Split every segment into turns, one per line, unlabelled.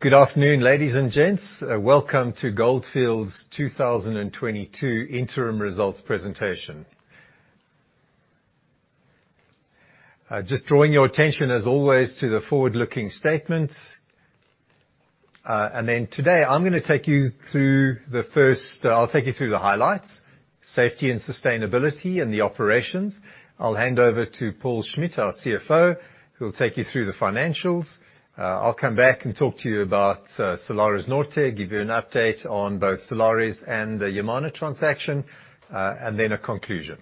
Good afternoon, ladies and gents. Welcome to Gold Fields' 2022 Interim Results Presentation. Just drawing your attention as always to the forward-looking statements. Today I'm gonna take you through the highlights, safety and sustainability and the operations. I'll hand over to Paul Schmidt, our CFO, who will take you through the financials. I'll come back and talk to you about Salares Norte, give you an update on both Salares and the Yamana transaction, and then a conclusion.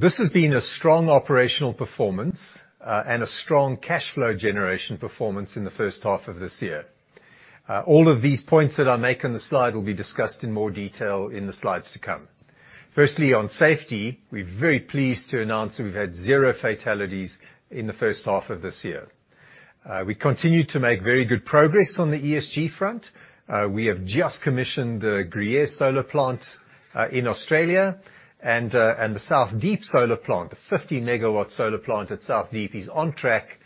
This has been a strong operational performance, and a strong cash flow generation performance in the first half of this year. All of these points that I make on the slide will be discussed in more detail in the slides to come. Firstly, on safety, we're very pleased to announce that we've had zero fatalities in the first half of this year. We continue to make very good progress on the ESG front. We have just commissioned the Gruyere Solar plant in Australia and the South Deep Solar Plant. The 50-megawatt solar plant at South Deep is on track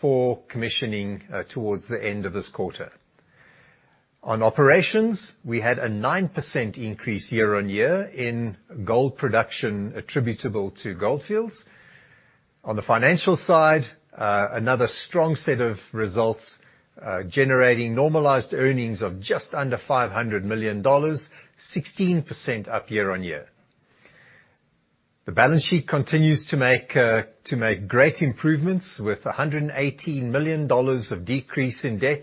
for commissioning towards the end of this quarter. On operations, we had a 9% increase year-on-year in gold production attributable to Gold Fields. On the financial side, another strong set of results, generating normalized earnings of just under $500 million, 16% up year-on-year. The balance sheet continues to make great improvements with $118 million of decrease in debt,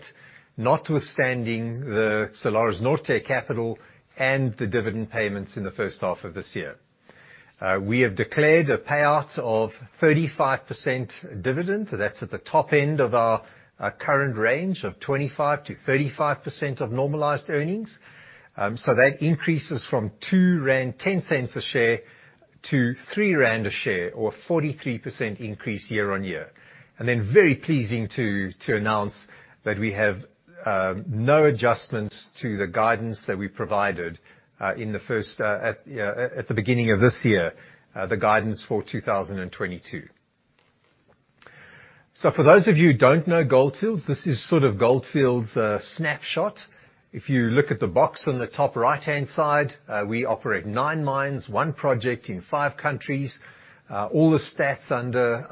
notwithstanding the Salares Norte capital and the dividend payments in the first half of this year. We have declared a payout of 35% dividend. That's at the top end of our current range of 25%-35% of normalized earnings. That increases from 2.10 rand a share to 3 rand a share, or a 43% increase year-on-year. Very pleasing to announce that we have no adjustments to the guidance that we provided at the beginning of this year, the guidance for 2022. For those of you who don't know Gold Fields, this is sort of Gold Fields' snapshot. If you look at the box on the top right-hand side, we operate nine mines, one project in five countries. All the stats under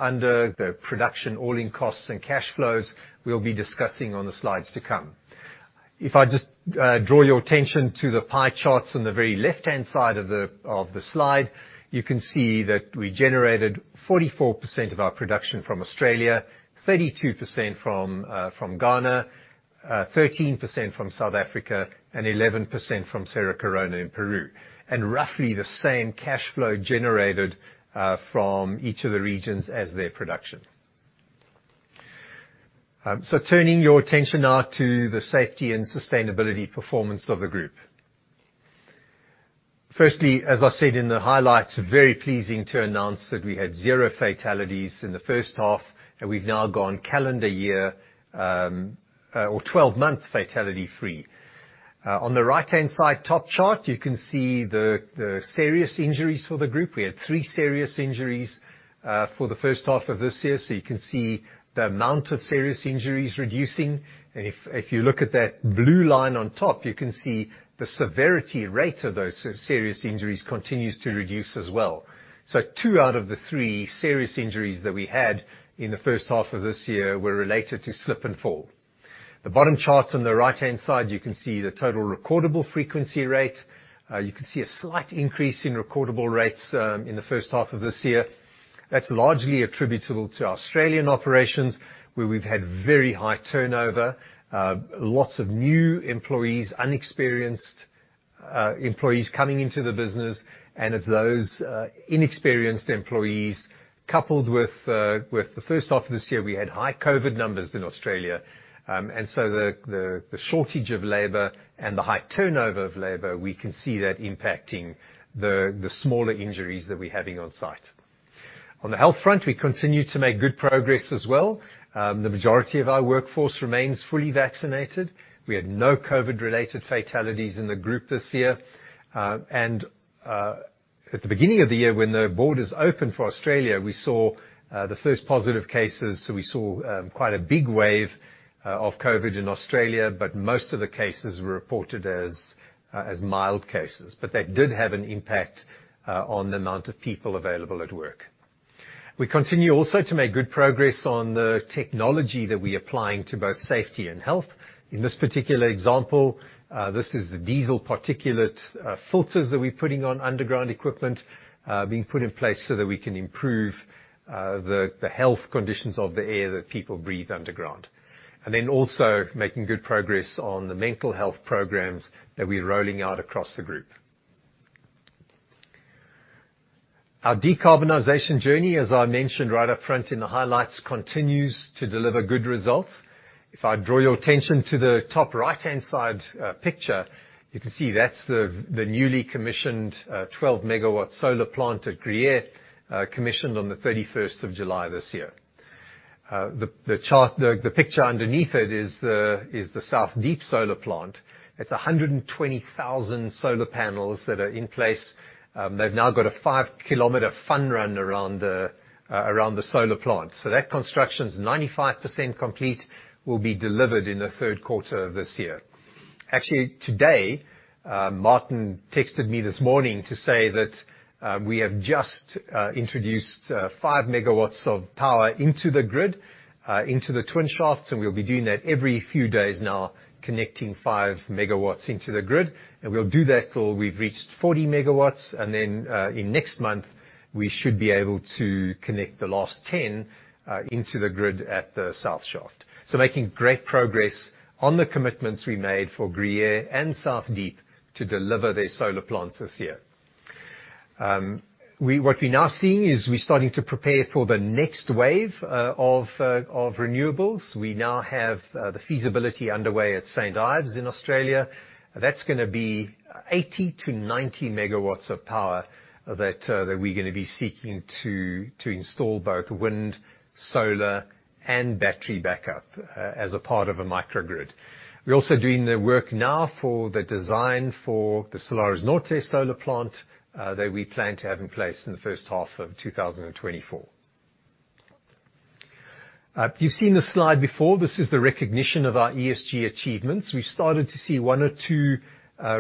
the production, all-in costs and cash flows we'll be discussing on the slides to come. If I just draw your attention to the pie charts on the very left-hand side of the slide, you can see that we generated 44% of our production from Australia, 32% from Ghana, 13% from South Africa, and 11% from Cerro Corona in Peru. Roughly the same cash flow generated from each of the regions as their production. Turning your attention now to the safety and sustainability performance of the group. Firstly, as I said in the highlights, very pleasing to announce that we had zero fatalities in the first half, and we've now gone calendar year, or 12 months fatality-free. On the right-hand side top chart, you can see the serious injuries for the group. We had three serious injuries for the first half of this year, so you can see the amount of serious injuries reducing. If you look at that blue line on top, you can see the severity rate of those serious injuries continues to reduce as well. Two out of the three serious injuries that we had in the first half of this year were related to slip and fall. The bottom chart on the right-hand side, you can see the total recordable frequency rate. You can see a slight increase in recordable rates in the first half of this year. That's largely attributable to Australian operations, where we've had very high turnover, lots of new employees, inexperienced employees coming into the business. Of those inexperienced employees, coupled with the first half of this year, we had high COVID numbers in Australia. The shortage of labor and the high turnover of labor, we can see that impacting the smaller injuries that we're having on site. On the health front, we continue to make good progress as well. The majority of our workforce remains fully vaccinated. We had no COVID-related fatalities in the group this year. At the beginning of the year, when the borders opened for Australia, we saw the first positive cases. We saw quite a big wave of COVID in Australia, but most of the cases were reported as mild cases. That did have an impact on the amount of people available at work. We continue also to make good progress on the technology that we're applying to both safety and health. In this particular example, this is the diesel particulate filters that we're putting on underground equipment being put in place so that we can improve the health conditions of the air that people breathe underground. Then also making good progress on the mental health programs that we're rolling out across the group. Our decarbonization journey, as I mentioned right up front in the highlights, continues to deliver good results. If I draw your attention to the top right-hand side, picture, you can see that's the newly commissioned 12-megawatt solar plant at Gruyere, commissioned on the thirty-first of July this year. The picture underneath it is the South Deep Solar Plant. It's 120,000 solar panels that are in place. They've now got a 5-kilometer fun run around the solar plant. That construction's 95% complete, will be delivered in the third quarter of this year. Actually, today, Martin texted me this morning to say that we have just introduced five megawatts of power into the grid, into the twin shafts, and we'll be doing that every few days now, connecting five megawatts into the grid. We'll do that till we've reached 40 megawatts. In next month, we should be able to connect the last 10 into the grid at the South shaft. Making great progress on the commitments we made for Gruyere and South Deep to deliver their solar plants this year. What we're now seeing is we're starting to prepare for the next wave of renewables. We now have the feasibility underway at St. Ives in Australia. That's gonna be 80-90 MW of power that we're gonna be seeking to install both wind, solar, and battery backup as a part of a microgrid. We're also doing the work now for the design for the Salares Norte solar plant that we plan to have in place in the first half of 2024. You've seen this slide before. This is the recognition of our ESG achievements. We've started to see one or two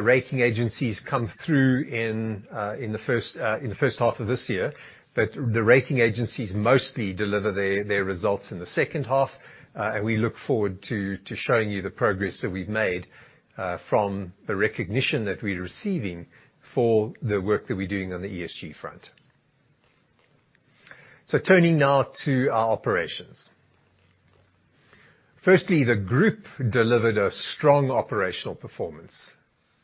rating agencies come through in the first half of this year. The rating agencies mostly deliver their results in the second half. We look forward to showing you the progress that we've made from the recognition that we're receiving for the work that we're doing on the ESG front. Turning now to our operations. Firstly, the group delivered a strong operational performance.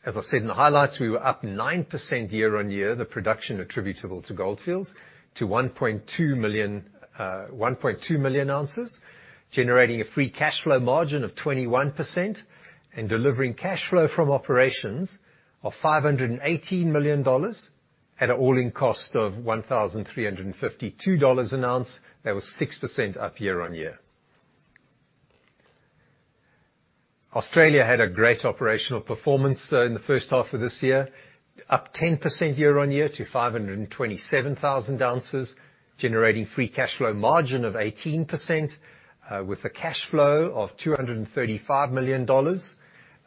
As I said in the highlights, we were up 9% year-on-year, the production attributable to Gold Fields to 1.2 million ounces, generating a free cash flow margin of 21% and delivering cash flow from operations of $518 million at an all-in cost of $1,352 an ounce. That was 6% up year-on-year. Australia had a great operational performance in the first half of this year, up 10% year-on-year to 527,000 ounces, generating free cash flow margin of 18%, with a cash flow of $235 million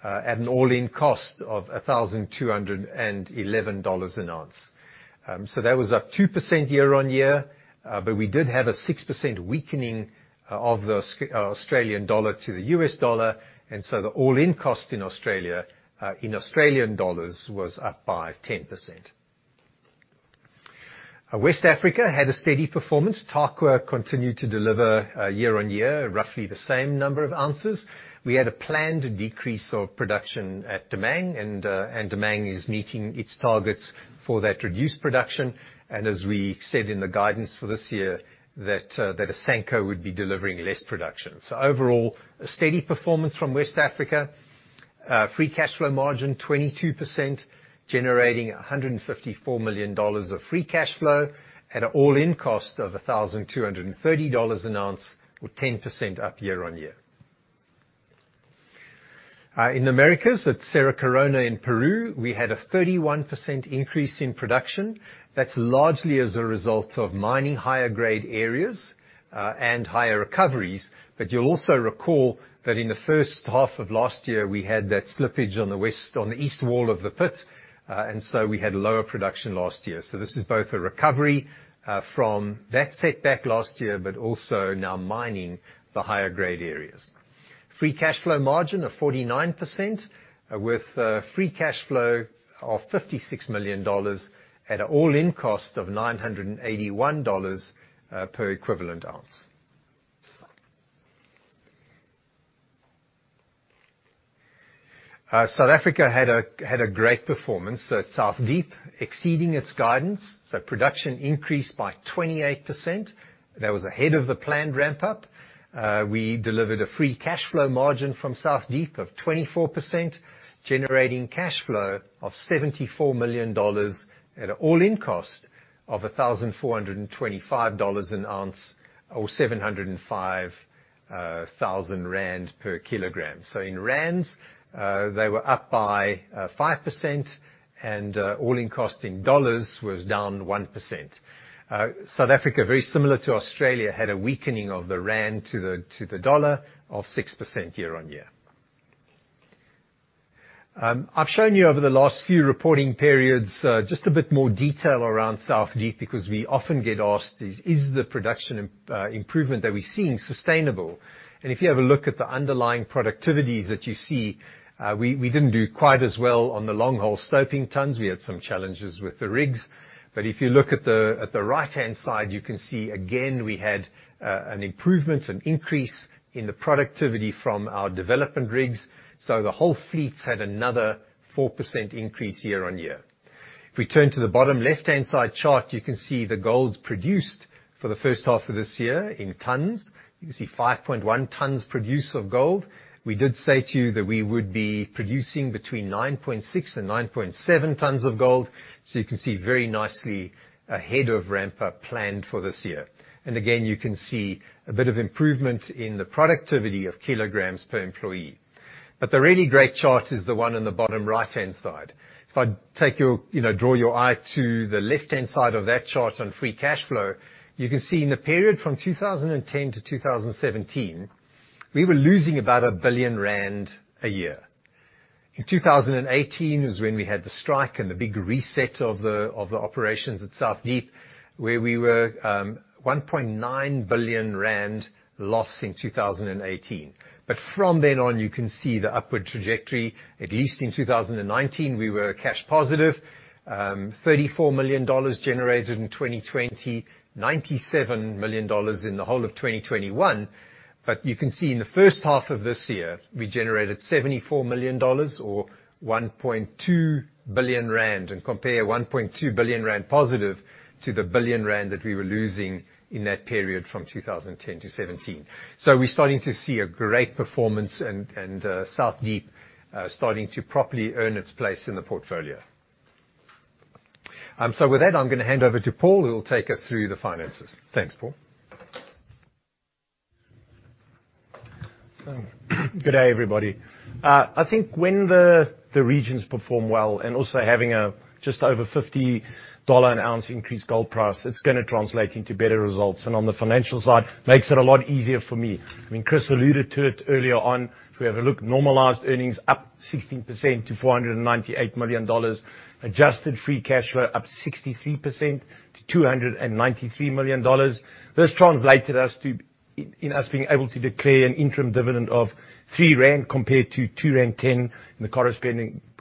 at an all-in cost of $1,211 an ounce. That was up 2% year-on-year, but we did have a 6% weakening of the Australian dollar to the US dollar. The all-in cost in Australia in Australian dollars was up by 10%. West Africa had a steady performance. Tarkwa continued to deliver year-on-year, roughly the same number of ounces. We had a planned decrease of production at Damang, and Damang is meeting its targets for that reduced production, and as we said in the guidance for this year, that Asanko would be delivering less production. Overall, a steady performance from West Africa. Free cash flow margin 22%, generating $154 million of free cash flow at an all-in cost of $1,230 an ounce, or 10% up year-on-year. In Americas, at Cerro Corona in Peru, we had a 31% increase in production. That's largely as a result of mining higher grade areas and higher recoveries. You'll also recall that in the first half of last year, we had that slippage on the east wall of the pit and so we had lower production last year. This is both a recovery from that setback last year, but also now mining the higher grade areas. Free cash flow margin of 49% with free cash flow of $56 million at an all-in cost of $981 per equivalent ounce. South Africa had a great performance. At South Deep, exceeding its guidance, so production increased by 28%. That was ahead of the planned ramp up. We delivered a free cash flow margin from South Deep of 24%, generating cash flow of $74 million at an all-in cost of $1,425 an ounce or 705 thousand rand per kilogram. In rands, they were up by 5%, and all-in cost in dollars was down 1%. South Africa, very similar to Australia, had a weakening of the rand to the dollar of 6% year-on-year. I've shown you over the last few reporting periods just a bit more detail around South Deep because we often get asked, is the production improvement that we're seeing sustainable? If you have a look at the underlying productivities that you see, we didn't do quite as well on the long-hole stoping tons. We had some challenges with the rigs. If you look at the right-hand side, you can see again, we had an improvement, an increase in the productivity from our development rigs. The whole fleets had another 4% increase year-on-year. If we turn to the bottom left-hand side chart, you can see the gold produced for the first half of this year in tonnes. You can see 5.1 tonnes produced of gold. We did say to you that we would be producing between 9.6-9.7 tonnes of gold. You can see very nicely ahead of ramp up planned for this year. Again, you can see a bit of improvement in the productivity of kilograms per employee. The really great chart is the one on the bottom right-hand side. If I take your, you know, draw your eye to the left-hand side of that chart on free cash flow, you can see in the period from 2010 to 2017, we were losing about 1 billion rand a year. In 2018 is when we had the strike and the big reset of the operations at South Deep, where we were 1.9 billion rand loss in 2018. From then on, you can see the upward trajectory. At least in 2019, we were cash positive, $34 million generated in 2020, $97 million in the whole of 2021. You can see in the first half of this year, we generated $74 million or 1.2 billion rand. Compare 1.2 billion rand positive to the 1 billion rand that we were losing in that period from 2010 to 2017. We're starting to see a great performance and South Deep starting to properly earn its place in the portfolio. With that, I'm gonna hand over to Paul, who will take us through the finances. Thanks, Paul.
Good day, everybody. I think when the regions perform well and also having a just over $50 an ounce increased gold price, it's gonna translate into better results. On the financial side, makes it a lot easier for me. I mean, Chris alluded to it earlier on. If we have a look, normalized earnings up 16% to $498 million. Adjusted Free Cash Flow up 63% to $293 million. This translated to us being able to declare an interim dividend of 3 rand compared to 2.10 rand in the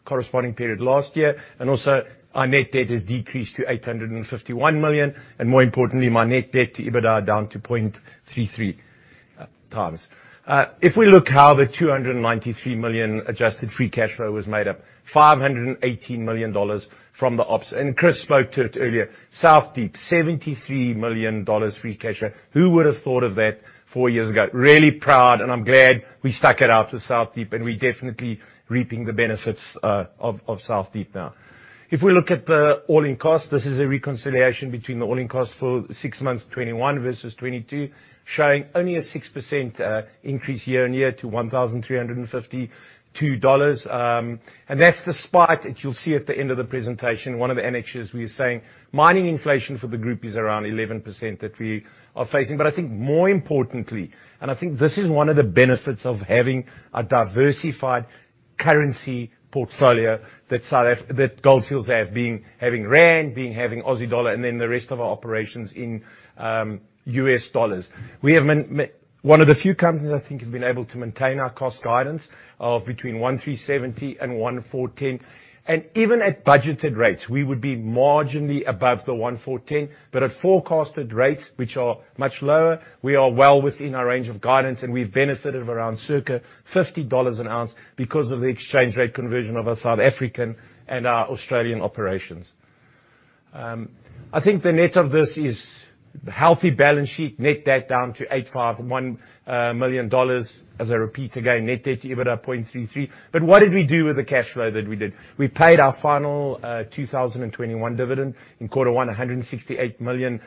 corresponding period last year. Our net debt has decreased to $851 million, and more importantly, my net debt to EBITDA down to 0.33 times. If we look how the $293 million Adjusted Free Cash Flow was made up, $518 million from the ops. Chris spoke to it earlier, South Deep, $73 million free cash flow. Who would have thought of that four years ago? Really proud, and I'm glad we stuck it out with South Deep, and we're definitely reaping the benefits of South Deep now. If we look at the all-in cost, this is a reconciliation between the all-in cost for the six months, 2021 versus 2022, showing only a 6% increase year-on-year to $1,352. That's despite, which you'll see at the end of the presentation, one of the annexures, we are saying mining inflation for the group is around 11% that we are facing. I think more importantly, I think this is one of the benefits of having a diversified currency portfolio that Gold Fields has, having rand, having Aussie dollar, and then the rest of our operations in US dollars. We have been one of the few companies, I think, able to maintain our cost guidance of between $1,370 and $1,410. Even at budgeted rates, we would be marginally above the $1,410. At forecasted rates, which are much lower, we are well within our range of guidance, and we've benefited from around circa $50 an ounce because of the exchange rate conversion of our South African and our Australian operations. I think the net of this is healthy balance sheet, net debt down to $851 million. As I repeat again, net debt to EBITDA 0.33. What did we do with the cash flow that we did? We paid our final 2021 dividend in quarter one, $168 million.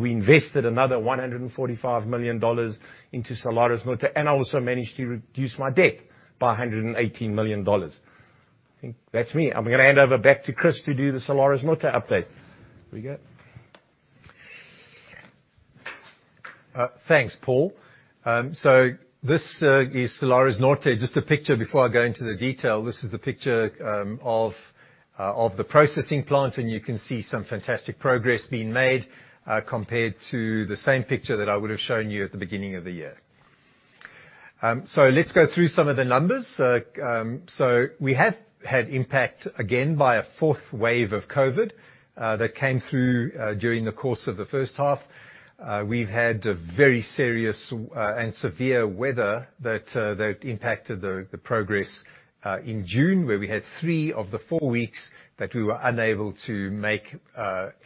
We invested another $145 million into Salares Norte and also managed to reduce my debt by $118 million. I think that's me. I'm gonna hand over back to Chris to do the Salares Norte update. Here we go.
Thanks, Paul. This is Salares Norte. Just a picture before I go into the detail. This is the picture of the processing plant, and you can see some fantastic progress being made compared to the same picture that I would have shown you at the beginning of the year. Let's go through some of the numbers. We have had impact again by a fourth wave of COVID that came through during the course of the first half. We've had a very serious and severe weather that impacted the progress in June, where we had three of the four weeks that we were unable to make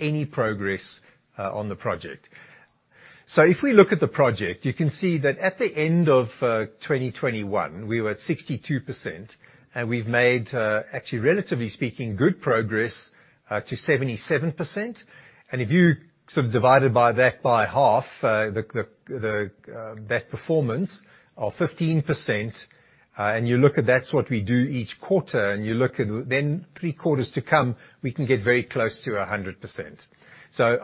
any progress on the project. If we look at the project, you can see that at the end of 2021, we were at 62%, and we've made actually, relatively speaking, good progress to 77%. If you sort of divided that by half, the performance of 15%, and you look at that's what we do each quarter, and you look at then three quarters to come, we can get very close to 100%.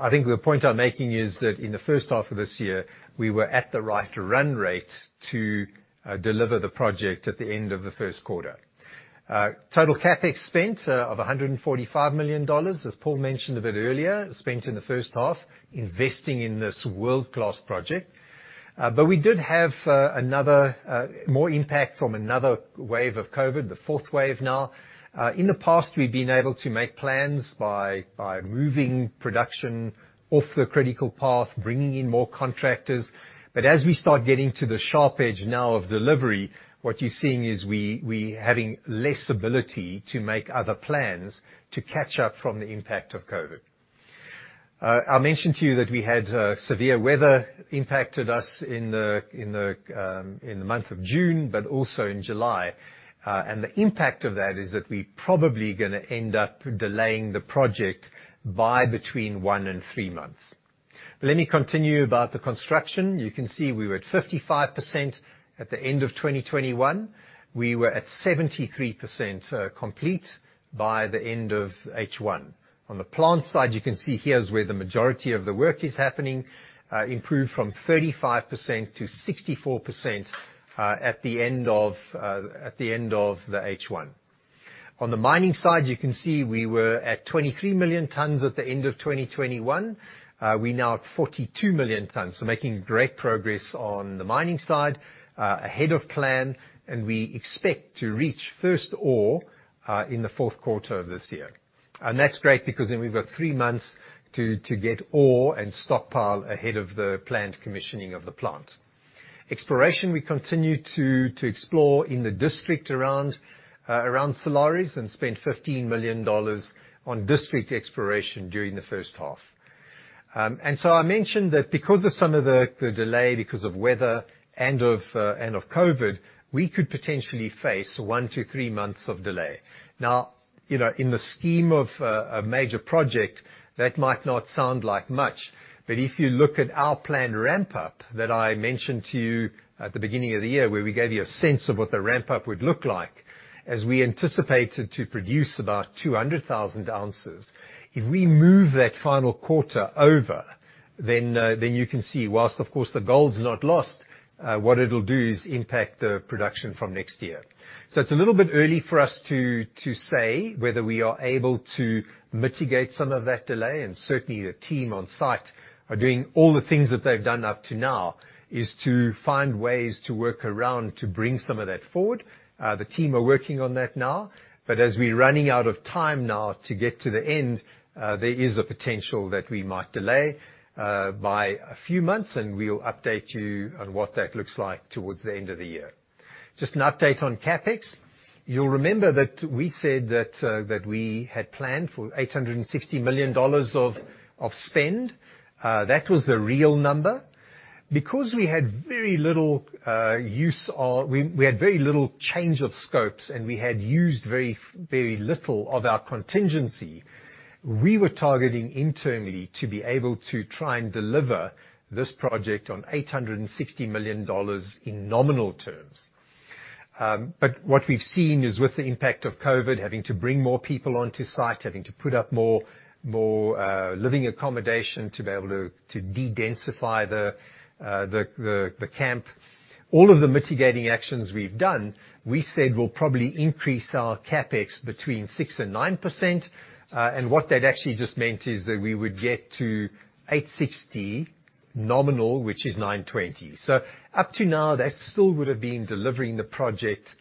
I think the point I'm making is that in the first half of this year, we were at the right run rate to deliver the project at the end of the first quarter. Total Capex spent of $145 million, as Paul mentioned a bit earlier, spent in the first half investing in this world-class project. We did have another more impact from another wave of COVID, the fourth wave now. In the past, we've been able to make plans by moving production off the critical path, bringing in more contractors. As we start getting to the sharp edge now of delivery, what you're seeing is we having less ability to make other plans to catch up from the impact of COVID. I mentioned to you that we had severe weather impacted us in the month of June, but also in July. The impact of that is that we probably gonna end up delaying the project by between one and three months. Let me continue about the construction. You can see we were at 55% at the end of 2021. We were at 73% complete by the end of H1. On the plant side, you can see here is where the majority of the work is happening, improved from 35% to 64% at the end of H1. On the mining side, you can see we were at 23 million tons at the end of 2021. We're now at 42 million tons. Making great progress on the mining side, ahead of plan, and we expect to reach first ore in the fourth quarter of this year. That's great because then we've got three months to get ore and stockpile ahead of the planned commissioning of the plant. Exploration, we continue to explore in the district around Salares and spend $15 million on district exploration during the first half. I mentioned that because of some of the delay, because of weather and COVID, we could potentially face 1 months-3 months of delay. Now, you know, in the scheme of a major project, that might not sound like much, but if you look at our planned ramp-up that I mentioned to you at the beginning of the year, where we gave you a sense of what the ramp-up would look like as we anticipated to produce about 200,000 ounces, if we move that final quarter over, then you can see, whilst of course the gold's not lost, what it'll do is impact the production from next year. It's a little bit early for us to say whether we are able to mitigate some of that delay, and certainly the team on site are doing all the things that they've done up to now, is to find ways to work around to bring some of that forward. The team are working on that now, but as we're running out of time now to get to the end, there is a potential that we might delay by a few months, and we'll update you on what that looks like towards the end of the year. Just an update on Capex. You'll remember that we said that that we had planned for $860 million of spend. That was the real number. Because we had very little use or we had very little change of scopes, and we had used very little of our contingency, we were targeting internally to be able to try and deliver this project on $860 million in nominal terms. What we've seen is with the impact of COVID, having to bring more people onto site, having to put up more living accommodation to be able to de-densify the camp, all of the mitigating actions we've done, we said we'll probably increase our Capex between 6% and 9%. What that actually just meant is that we would get to $860 nominal, which is $920. Up to now, that still would've been delivering the project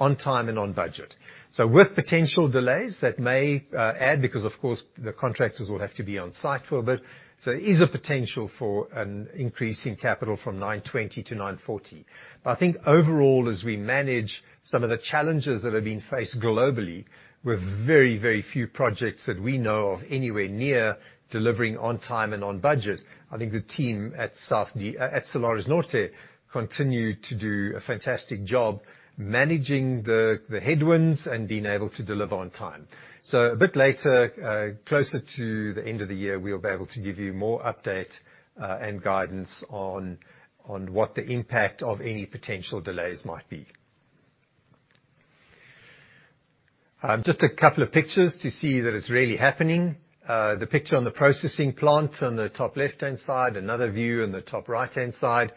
on time and on budget. With potential delays that may add because of course the contractors will have to be on site for a bit. There is a potential for an increase in capital from $920 to $940. I think overall, as we manage some of the challenges that have been faced globally, with very, very few projects that we know of anywhere near delivering on time and on budget, I think the team at Salares Norte continue to do a fantastic job managing the headwinds and being able to deliver on time. A bit later, closer to the end of the year, we'll be able to give you more update and guidance on what the impact of any potential delays might be. Just a couple of pictures to see that it's really happening. The picture on the processing plant on the top left-hand side, another view on the top right-hand side.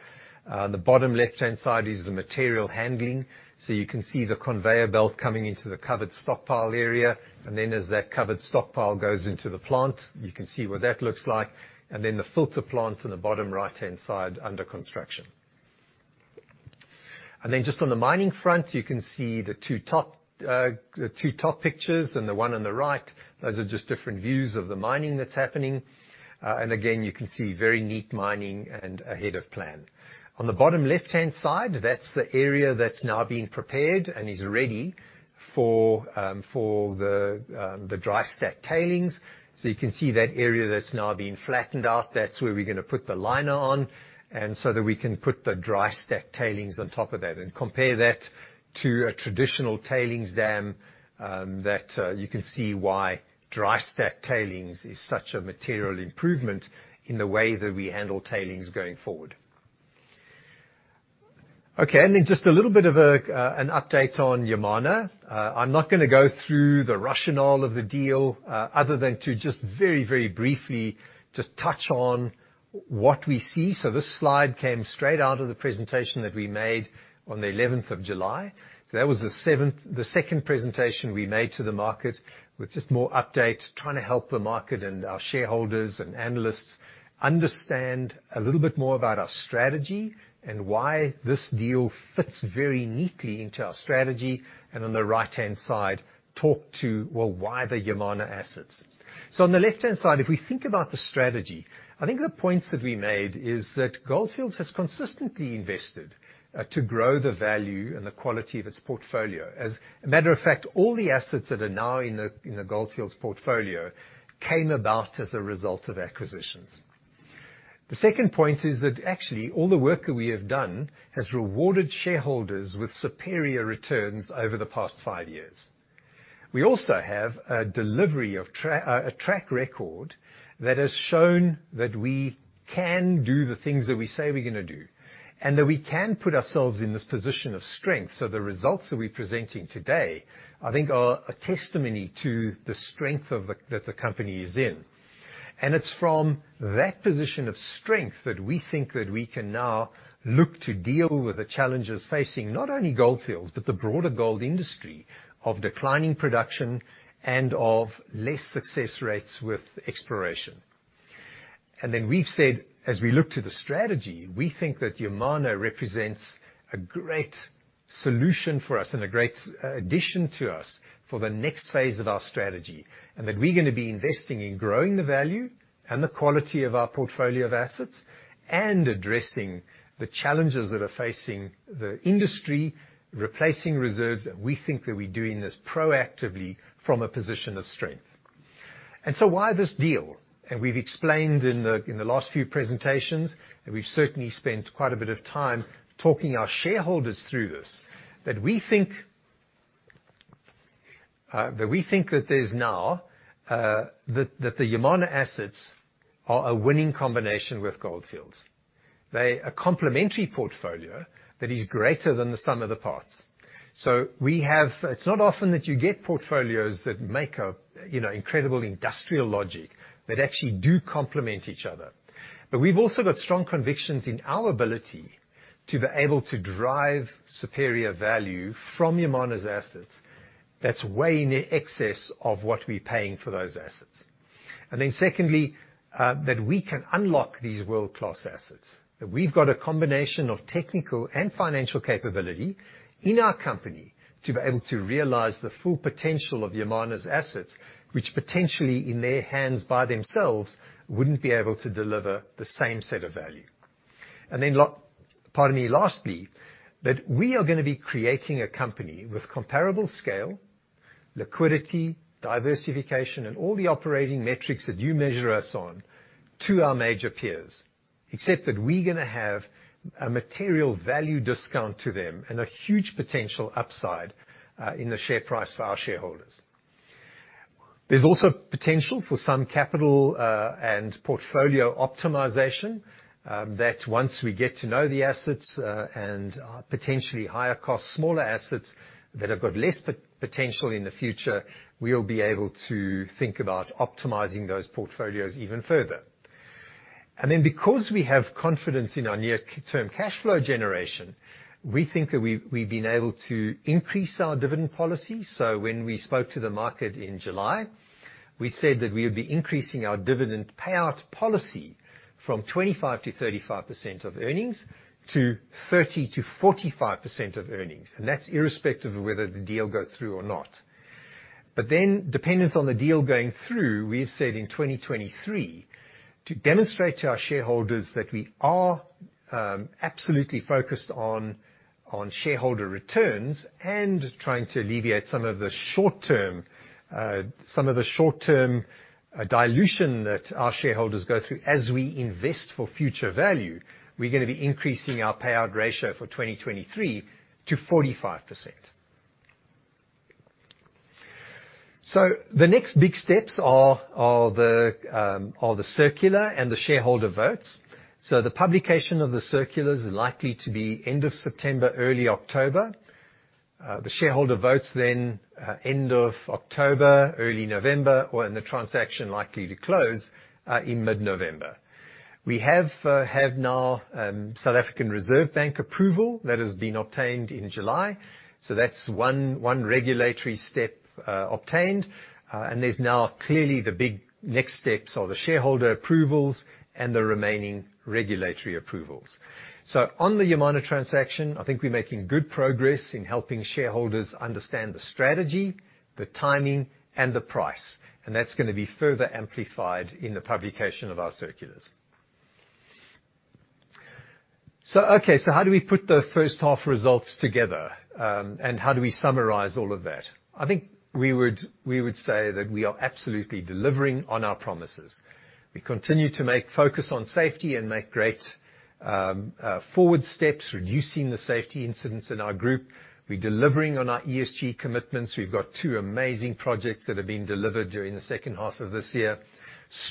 The bottom left-hand side is the material handling. You can see the conveyor belt coming into the covered stockpile area. As that covered stockpile goes into the plant, you can see what that looks like. The filter plant on the bottom right-hand side under construction. Just on the mining front, you can see the two top pictures and the one on the right. Those are just different views of the mining that's happening. You can see very neat mining and ahead of plan. On the bottom left-hand side, that's the area that's now being prepared and is ready for the dry stack tailings. You can see that area that's now been flattened out. That's where we're gonna put the liner on, and so that we can put the dry stack tailings on top of that. Compare that to a traditional tailings dam, you can see why dry stack tailings is such a material improvement in the way that we handle tailings going forward. Okay, then just a little bit of an update on Yamana. I'm not gonna go through the rationale of the deal, other than to just very, very briefly just touch on what we see. This slide came straight out of the presentation that we made on the eleventh of July. That was the second presentation we made to the market, with just more update, trying to help the market and our shareholders and analysts understand a little bit more about our strategy and why this deal fits very neatly into our strategy. On the right-hand side, talk to, well, why the Yamana assets. On the left-hand side, if we think about the strategy, I think the points that we made is that Gold Fields has consistently invested to grow the value and the quality of its portfolio. As a matter of fact, all the assets that are now in the Gold Fields portfolio came about as a result of acquisitions. The second point is that actually all the work that we have done has rewarded shareholders with superior returns over the past five years. We also have a track record that has shown that we can do the things that we say we're gonna do, and that we can put ourselves in this position of strength. The results that we're presenting today, I think, are a testimony to the strength that the company is in. It's from that position of strength that we think that we can now look to deal with the challenges facing not only Gold Fields, but the broader gold industry of declining production and of less success rates with exploration. We've said, as we look to the strategy, we think that Yamana represents a great solution for us and a great, addition to us for the next phase of our strategy, and that we're gonna be investing in growing the value and the quality of our portfolio of assets and addressing the challenges that are facing the industry, replacing reserves. We think that we're doing this proactively from a position of strength. Why this deal? We've explained in the last few presentations, and we've certainly spent quite a bit of time talking our shareholders through this, that we think that there's now that the Yamana assets are a winning combination with Gold Fields. They're a complementary portfolio that is greater than the sum of the parts. We have. It's not often that you get portfolios that make, you know, incredible industrial logic, that actually do complement each other. But we've also got strong convictions in our ability to be able to drive superior value from Yamana's assets that's way in excess of what we're paying for those assets. Secondly, that we can unlock these world-class assets, that we've got a combination of technical and financial capability in our company to be able to realize the full potential of Yamana's assets, which potentially, in their hands by themselves, wouldn't be able to deliver the same set of value. Lastly, that we are gonna be creating a company with comparable scale, liquidity, diversification and all the operating metrics that you measure us on to our major peers. Except that we're gonna have a material value discount to them and a huge potential upside in the share price for our shareholders. There's also potential for some capital and portfolio optimization that once we get to know the assets and potentially higher cost, smaller assets that have got less potential in the future, we'll be able to think about optimizing those portfolios even further. Because we have confidence in our near-term cash flow generation, we think that we've been able to increase our dividend policy. When we spoke to the market in July, we said that we would be increasing our dividend payout policy from 25%-35% of earnings to 30%-45% of earnings. That's irrespective of whether the deal goes through or not. Dependent on the deal going through, we have said in 2023, to demonstrate to our shareholders that we are absolutely focused on shareholder returns and trying to alleviate some of the short-term dilution that our shareholders go through as we invest for future value, we're gonna be increasing our payout ratio for 2023 to 45%. The next big steps are the circular and the shareholder votes. The publication of the circular is likely to be end of September, early October. The shareholder votes then end of October, early November, and the transaction likely to close in mid-November. We have now South African Reserve Bank approval that has been obtained in July, so that's one regulatory step obtained. There are now clearly the big next steps are the shareholder approvals and the remaining regulatory approvals. On the Yamana transaction, I think we're making good progress in helping shareholders understand the strategy, the timing, and the price, and that's gonna be further amplified in the publication of our circulars. How do we put the first half results together, and how do we summarize all of that? I think we would say that we are absolutely delivering on our promises. We continue to make focus on safety and make great forward steps, reducing the safety incidents in our group. We're delivering on our ESG commitments. We've got two amazing projects that have been delivered during the second half of this year.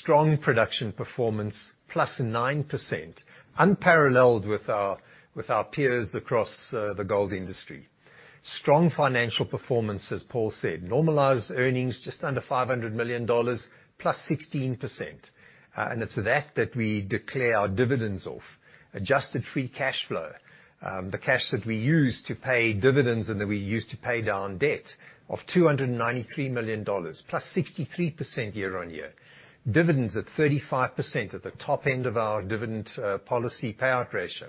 Strong production performance, +9%, unparalleled with our peers across the gold industry. Strong financial performance, as Paul said. Normalized earnings, just under $500 million +16%. It's that we declare our dividends of Adjusted Free Cash Flow. The cash that we use to pay dividends and that we use to pay down debt of $293 million, +63% year-over-year. Dividends at 35% at the top end of our dividend policy payout ratio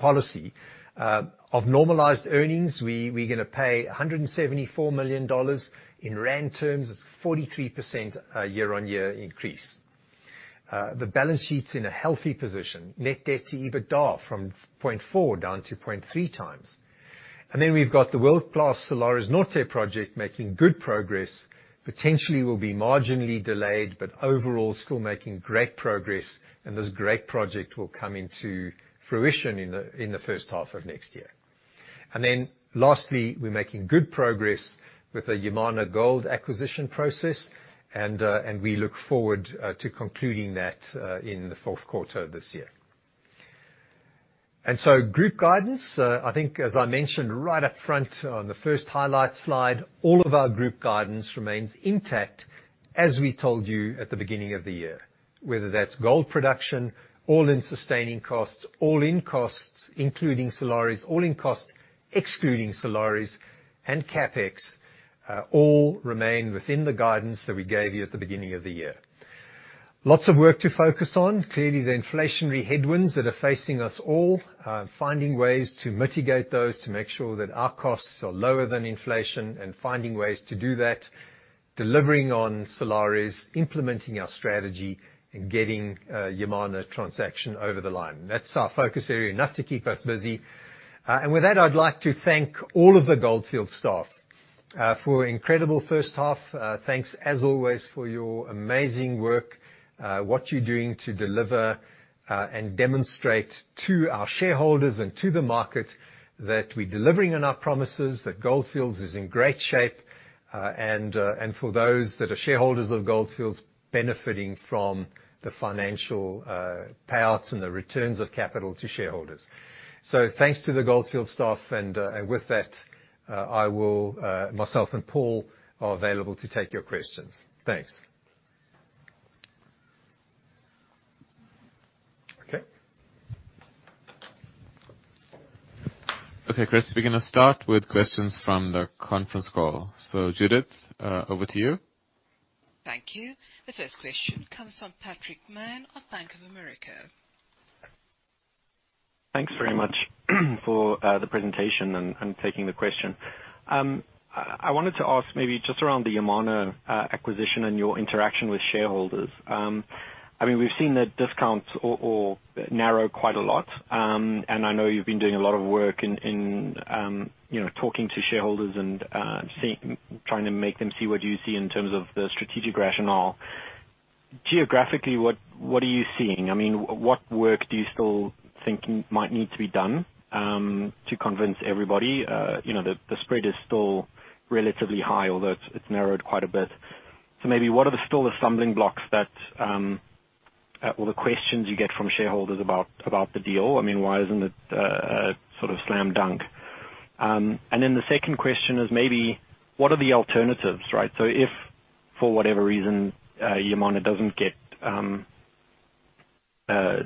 policy. Of normalized earnings, we're gonna pay $174 million. In rand terms, it's 43% year-over-year increase. The balance sheet's in a healthy position. Net debt to EBITDA from 0.4 down to 0.3 times. We've got the world-class Salares Norte project making good progress. Potentially will be marginally delayed, but overall, still making great progress. This great project will come into fruition in the first half of next year. Lastly, we're making good progress with the Yamana Gold acquisition process, and we look forward to concluding that in the fourth quarter of this year. Group guidance, I think as I mentioned right up front on the first highlight slide, all of our group guidance remains intact as we told you at the beginning of the year, whether that's gold production, all-in sustaining costs, all-in costs including Salares, all-in costs excluding Salares and Capex, all remain within the guidance that we gave you at the beginning of the year. Lots of work to focus on. Clearly, the inflationary headwinds that are facing us all, finding ways to mitigate those to make sure that our costs are lower than inflation and finding ways to do that, delivering on Salares, implementing our strategy and getting, Yamana transaction over the line. That's our focus area. Enough to keep us busy. With that, I'd like to thank all of the Gold Fields staff, for an incredible first half. Thanks as always, for your amazing work, what you're doing to deliver, and demonstrate to our shareholders and to the market that we're delivering on our promises, that Gold Fields is in great shape, and for those that are shareholders of Gold Fields benefiting from the financial, payouts and the returns of capital to shareholders. Thanks to the Gold Fields staff and with that, myself and Paul are available to take your questions. Thanks.
Okay. Okay, Chris, we're gonna start with questions from the conference call. Judith, over to you.
Thank you. The first question comes from Patrick Mann of Bank of America.
Thanks very much for the presentation and taking the question. I wanted to ask maybe just around the Yamana acquisition and your interaction with shareholders. I mean, we've seen that discounts narrow quite a lot. I know you've been doing a lot of work you know, talking to shareholders and trying to make them see what you see in terms of the strategic rationale. Geographically, what are you seeing? I mean, what work do you still think might need to be done to convince everybody? You know, the spread is still relatively high, although it's narrowed quite a bit. Maybe what are still the stumbling blocks or the questions you get from shareholders about the deal? I mean, why isn't it a sort of slam dunk? The second question is maybe what are the alternatives, right? If for whatever reason Yamana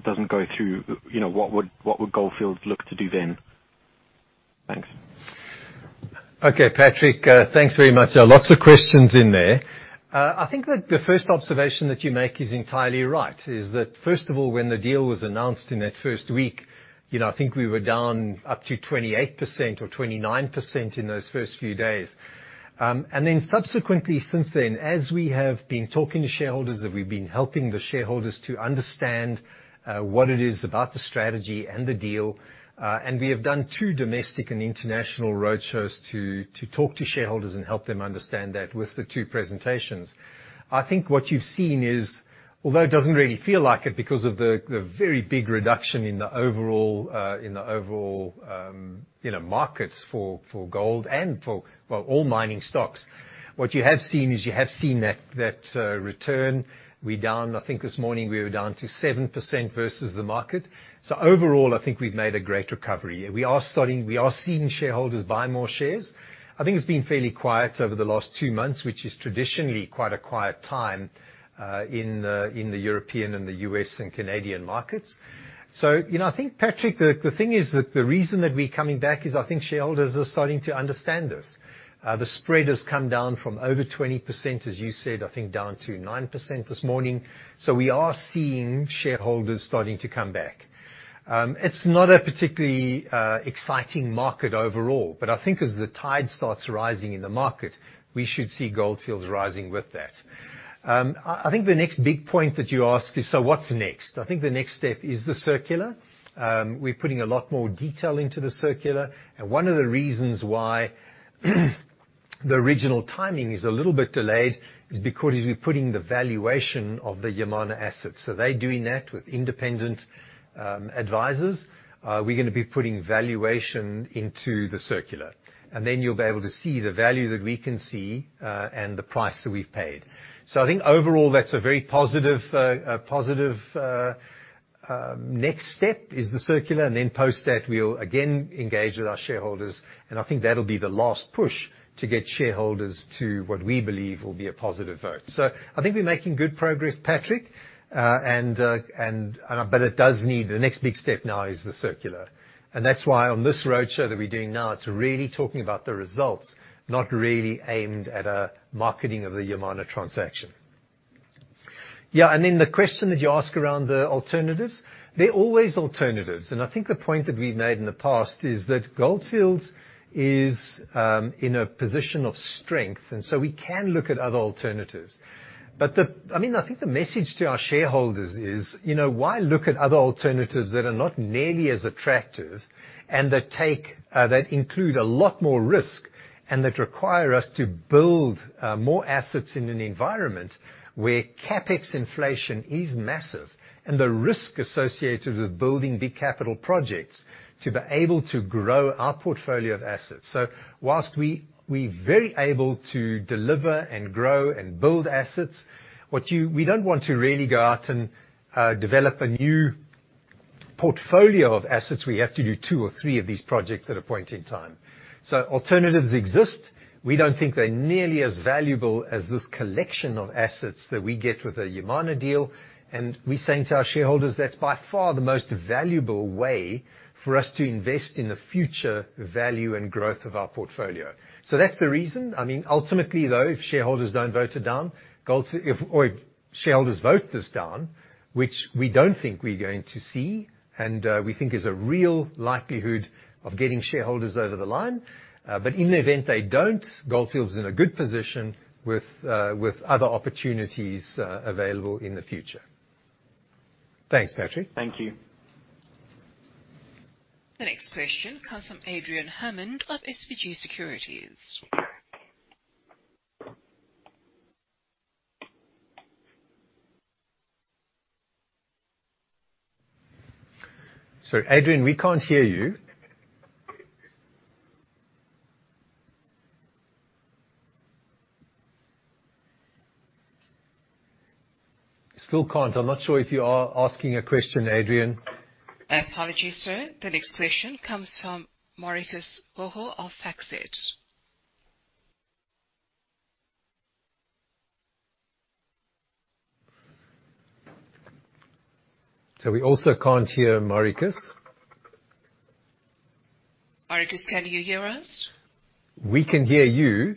doesn't go through, you know, what would Gold Fields look to do then? Thanks.
Okay, Patrick, thanks very much. Lots of questions in there. I think that the first observation that you make is entirely right, that first of all, when the deal was announced in that first week, you know, I think we were down up to 28% or 29% in those first few days. Subsequently since then, as we have been talking to shareholders, we've been helping the shareholders to understand what it is about the strategy and the deal. We have done two domestic and international road shows to talk to shareholders and help them understand that with the two presentations. I think what you've seen is, although it doesn't really feel like it because of the very big reduction in the overall, you know, markets for gold and for all mining stocks. What you have seen is you have seen that return. We're down, I think this morning we were down to 7% versus the market. Overall, I think we've made a great recovery. We are starting, we are seeing shareholders buy more shares. I think it's been fairly quiet over the last two months, which is traditionally quite a quiet time, in the European and the US and Canadian markets. You know, I think, Patrick, the thing is that the reason that we're coming back is I think shareholders are starting to understand us. The spread has come down from over 20%, as you said, I think down to 9% this morning. We are seeing shareholders starting to come back. It's not a particularly exciting market overall, but I think as the tide starts rising in the market, we should see Gold Fields rising with that. I think the next big point that you ask is, what's next? I think the next step is the circular. We're putting a lot more detail into the circular, and one of the reasons why the original timing is a little bit delayed is because we're putting the valuation of the Yamana Gold assets. They're doing that with independent advisors. We're gonna be putting valuation into the circular, and then you'll be able to see the value that we can see, and the price that we've paid. I think overall, that's a very positive next step is the circular, and then post that, we'll again engage with our shareholders, and I think that'll be the last push to get shareholders to what we believe will be a positive vote. I think we're making good progress, Patrick, and but it does need the next big step now is the circular. That's why on this roadshow that we're doing now, it's really talking about the results, not really aimed at a marketing of the Yamana transaction. Yeah, then the question that you ask around the alternatives, there are always alternatives. I think the point that we've made in the past is that Gold Fields is in a position of strength, and we can look at other alternatives. I mean, I think the message to our shareholders is, you know, why look at other alternatives that are not nearly as attractive and that include a lot more risk and that require us to build more assets in an environment where Capex inflation is massive and the risk associated with building big capital projects to be able to grow our portfolio of assets. While we're very able to deliver and grow and build assets, we don't want to really go out and develop a new portfolio of assets, we have to do two or three of these projects at a point in time. Alternatives exist. We don't think they're nearly as valuable as this collection of assets that we get with a Yamana deal. We're saying to our shareholders, that's by far the most valuable way for us to invest in the future value and growth of our portfolio. That's the reason. I mean, ultimately, though, if shareholders don't vote it down. Or if shareholders vote this down, which we don't think we're going to see, and we think is a real likelihood of getting shareholders over the line. But in the event they don't, Gold Fields is in a good position with other opportunities available in the future. Thanks, Patrick.
Thank you.
The next question comes from Adrian Hammond of SBG Securities.
Sorry, Adrian, we can't hear you. Still can't. I'm not sure if you are asking a question, Adrian.
Apologies, sir. The next question comes from Marikus Oho of Faxit.
We also can't hear Marikus.
Marikus, can you hear us?
We can hear you.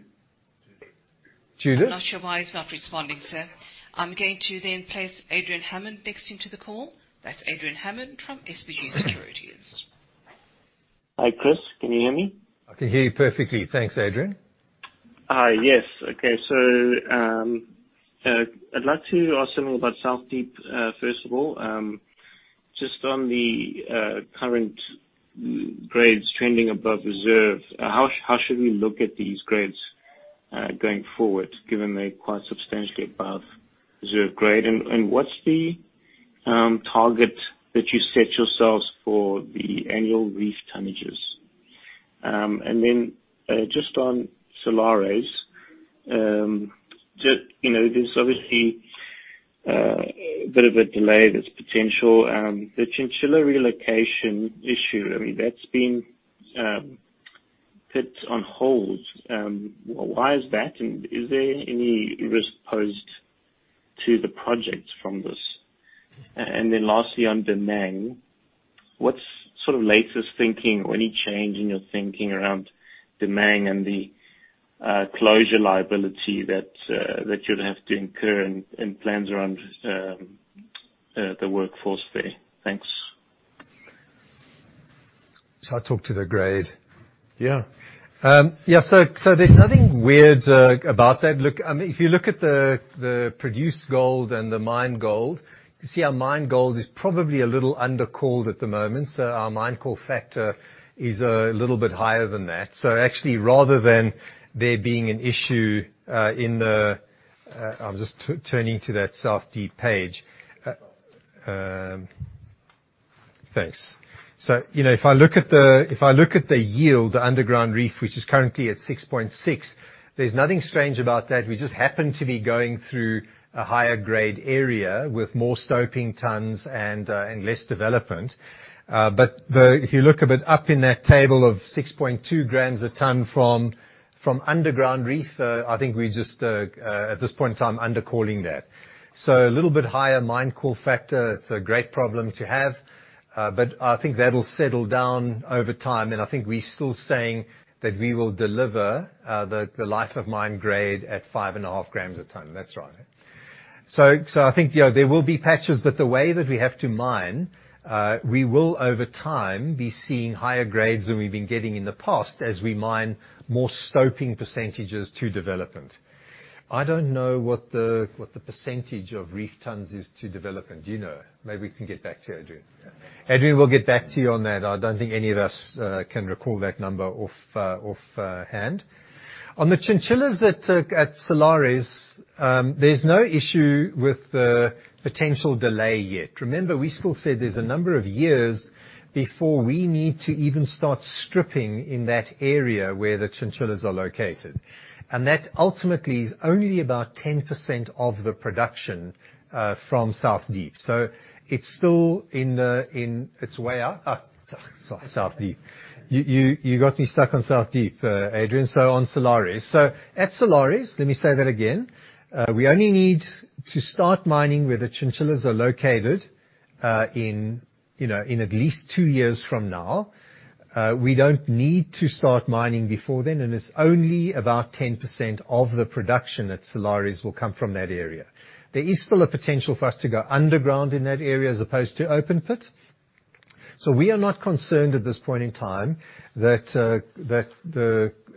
Judith?
I'm not sure why he's not responding, sir. I'm going to then place Adrian Hammond next into the call. That's Adrian Hammond from SBG Securities.
Hi, Chris, can you hear me?
I can hear you perfectly. Thanks, Adrian.
Yes. Okay. I'd like to ask something about South Deep, first of all. Just on the current grades trending above reserve, how should we look at these grades going forward, given they're quite substantially above reserve grade? What's the target that you set yourselves for the annual reef tonnages? Just on Salares Norte, you know, there's obviously a bit of a delay that's potential. The chinchilla relocation issue, I mean, that's been put on hold. Why is that, and is there any risk posed to the project from this? Lastly, on Damang, what's sort of latest thinking or any change in your thinking around Damang and the closure liability that you'd have to incur and plans around the workforce there? Thanks.
Shall I talk to the grade? Yeah. Yeah, there's nothing weird about that look. I mean, if you look at the produced gold and the mined gold, you see our mined gold is probably a little undercalled at the moment. Our Mine Call Factor is a little bit higher than that. Actually, rather than there being an issue, I'm just turning to that South Deep page. Thanks. You know, if I look at the yield, the underground reef, which is currently at 6.6, there's nothing strange about that. We just happen to be going through a higher grade area with more stoping tons and less development. But the If you look a bit up in that table of 6.2 grams a ton from underground reef, I think we just at this point in time undercalling that. So a little bit higher Mine Call Factor, it's a great problem to have. But I think that'll settle down over time, and I think we're still saying that we will deliver the life of mine grade at 5.5 grams a ton. That's right, eh? So I think, you know, there will be patches, but the way that we have to mine, we will over time be seeing higher grades than we've been getting in the past as we mine more stoping percentages to development. I don't know what the percentage of reef tons is to development. Do you know? Maybe we can get back to you, Adrian. Adrian, we'll get back to you on that. I don't think any of us can recall that number off hand. On the chinchillas at Salares Norte, there's no issue with the potential delay yet. Remember, we still said there's a number of years before we need to even start stripping in that area where the chinchillas are located. That ultimately is only about 10% of the production from South Deep. It's still in its way out. South Deep. You got me stuck on South Deep, Adrian, so on Salares Norte. At Salares Norte, let me say that again, we only need to start mining where the chinchillas are located, you know, in at least two years from now. We don't need to start mining before then, and it's only about 10% of the production at Salares Norte will come from that area. There is still a potential for us to go underground in that area as opposed to open pit. We are not concerned at this point in time that we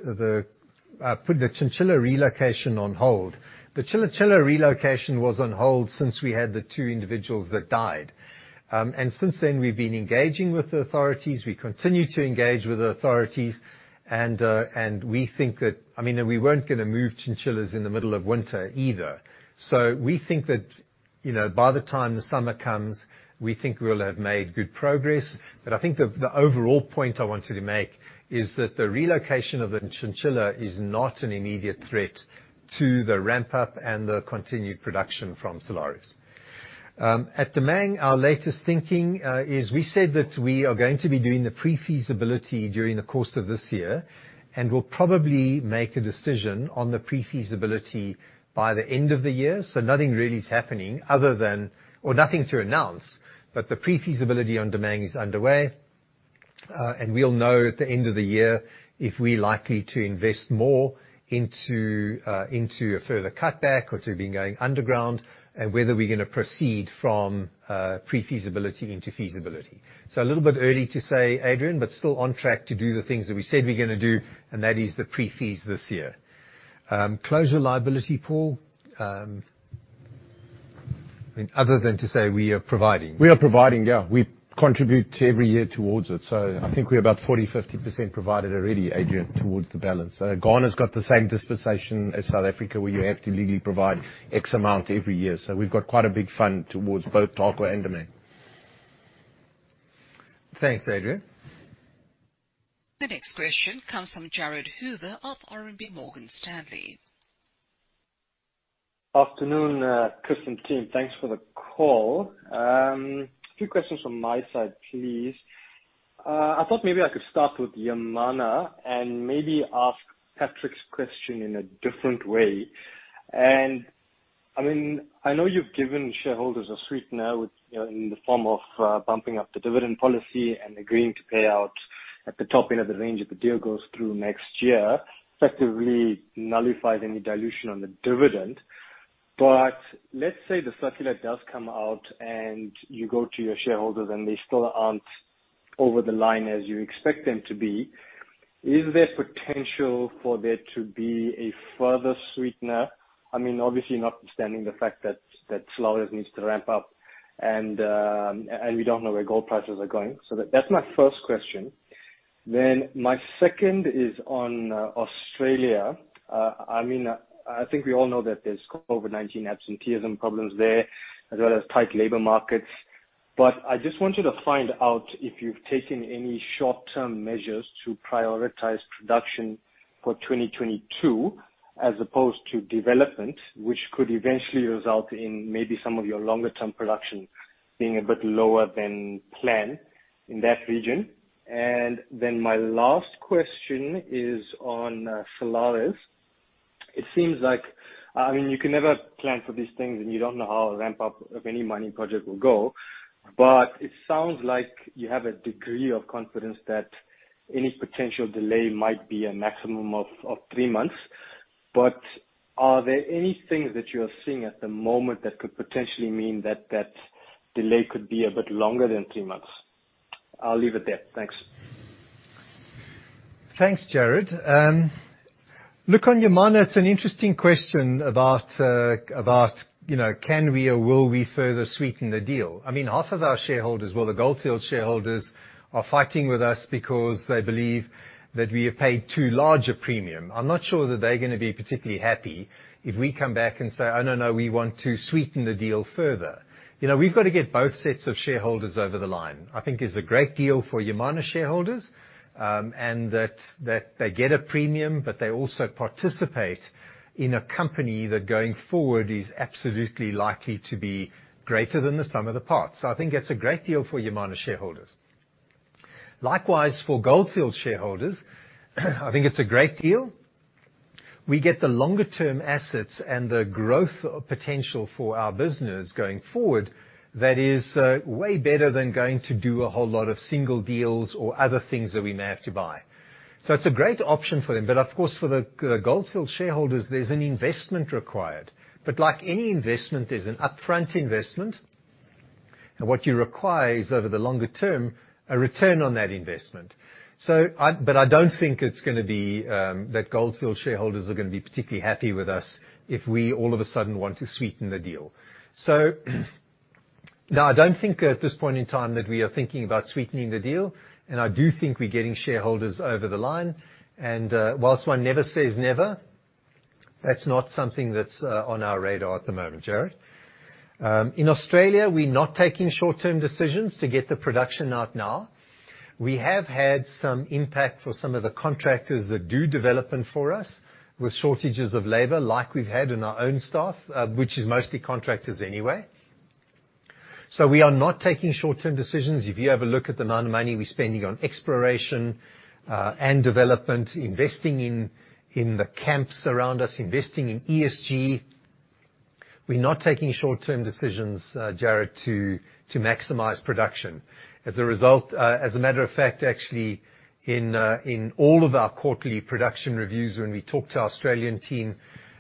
put the chinchilla relocation on hold. The chinchilla relocation was on hold since we had the two individuals that died. Since then, we've been engaging with the authorities, we continue to engage with the authorities, and we think that I mean, we weren't gonna move chinchillas in the middle of winter either. We think that, you know, by the time the summer comes, we think we'll have made good progress. I think the overall point I wanted to make is that the relocation of the chinchilla is not an immediate threat to the ramp up and the continued production from Salares. At Damang, our latest thinking is we said that we are going to be doing the pre-feasibility during the course of this year, and we'll probably make a decision on the pre-feasibility by the end of the year. Nothing really is happening or nothing to announce, but the pre-feasibility on Damang is underway. We'll know at the end of the year if we're likely to invest more into a further cutback or to be going underground and whether we're gonna proceed from pre-feasibility into feasibility. A little bit early to say, Adrian, but still on track to do the things that we said we're gonna do, and that is the pre-feas this year. Closure liability, Paul, I mean, other than to say we are providing.
We are providing, yeah. We contribute every year towards it. I think we're about 40%-50% provided already, Adrian, towards the balance. Ghana's got the same dispensation as South Africa, where you have to legally provide X amount every year. We've got quite a big fund towards both Tarkwa and Damang.
Thanks, Adrian.
The next question comes from Jared Hoover of RMB Morgan Stanley.
Afternoon, Chris and team. Thanks for the call. A few questions from my side, please. I thought maybe I could start with Yamana and maybe ask Patrick's question in a different way. I mean, I know you've given shareholders a sweetener with, you know, in the form of, bumping up the dividend policy and agreeing to pay out at the top end of the range if the deal goes through next year, effectively nullifies any dilution on the dividend. But let's say the circular does come out and you go to your shareholders and they still aren't over the line as you expect them to be, is there potential for there to be a further sweetener? I mean, obviously, notwithstanding the fact that Salares Norte needs to ramp up and we don't know where gold prices are going. That's my first question. My second is on Australia. I mean, I think we all know that there's COVID-19 absenteeism problems there as well as tight labor markets. I just wanted to find out if you've taken any short-term measures to prioritize production for 2022 as opposed to development, which could eventually result in maybe some of your longer term production being a bit lower than planned in that region. My last question is on Salares Norte. It seems like I mean, you can never plan for these things, and you don't know how a ramp-up of any mining project will go, but it sounds like you have a degree of confidence that any potential delay might be a maximum of three months. Are there any things that you are seeing at the moment that could potentially mean that that delay could be a bit longer than three months? I'll leave it there. Thanks.
Thanks, Jared. Look, on Yamana, it's an interesting question about, you know, can we or will we further sweeten the deal? I mean, half of our shareholders, well, the Gold Fields shareholders are fighting with us because they believe that we have paid too large a premium. I'm not sure that they're gonna be particularly happy if we come back and say, "Oh, no, we want to sweeten the deal further." You know, we've got to get both sets of shareholders over the line. I think it's a great deal for Yamana shareholders, and that they get a premium, but they also participate in a company that going forward is absolutely likely to be greater than the sum of the parts. So I think it's a great deal for Yamana shareholders. Likewise, for Gold Fields shareholders, I think it's a great deal. We get the longer-term assets and the growth potential for our business going forward that is way better than going to do a whole lot of single deals or other things that we may have to buy. It's a great option for them. Of course, for the Gold Fields shareholders, there's an investment required. Like any investment, there's an upfront investment. What you require is, over the longer term, a return on that investment. I don't think it's gonna be that Gold Fields shareholders are gonna be particularly happy with us if we all of a sudden want to sweeten the deal. Now, I don't think at this point in time that we are thinking about sweetening the deal, and I do think we're getting shareholders over the line. While one never says never, that's not something that's on our radar at the moment, Jared. In Australia, we're not taking short-term decisions to get the production out now. We have had some impact for some of the contractors that do development for us with shortages of labor, like we've had in our own staff, which is mostly contractors anyway. We are not taking short-term decisions. If you have a look at the amount of money we're spending on exploration and development, investing in the camps around us, investing in ESG, we're not taking short-term decisions, Jared, to maximize production. As a result, as a matter of fact, actually, in all of our quarterly production reviews, when we talk to our Australian team,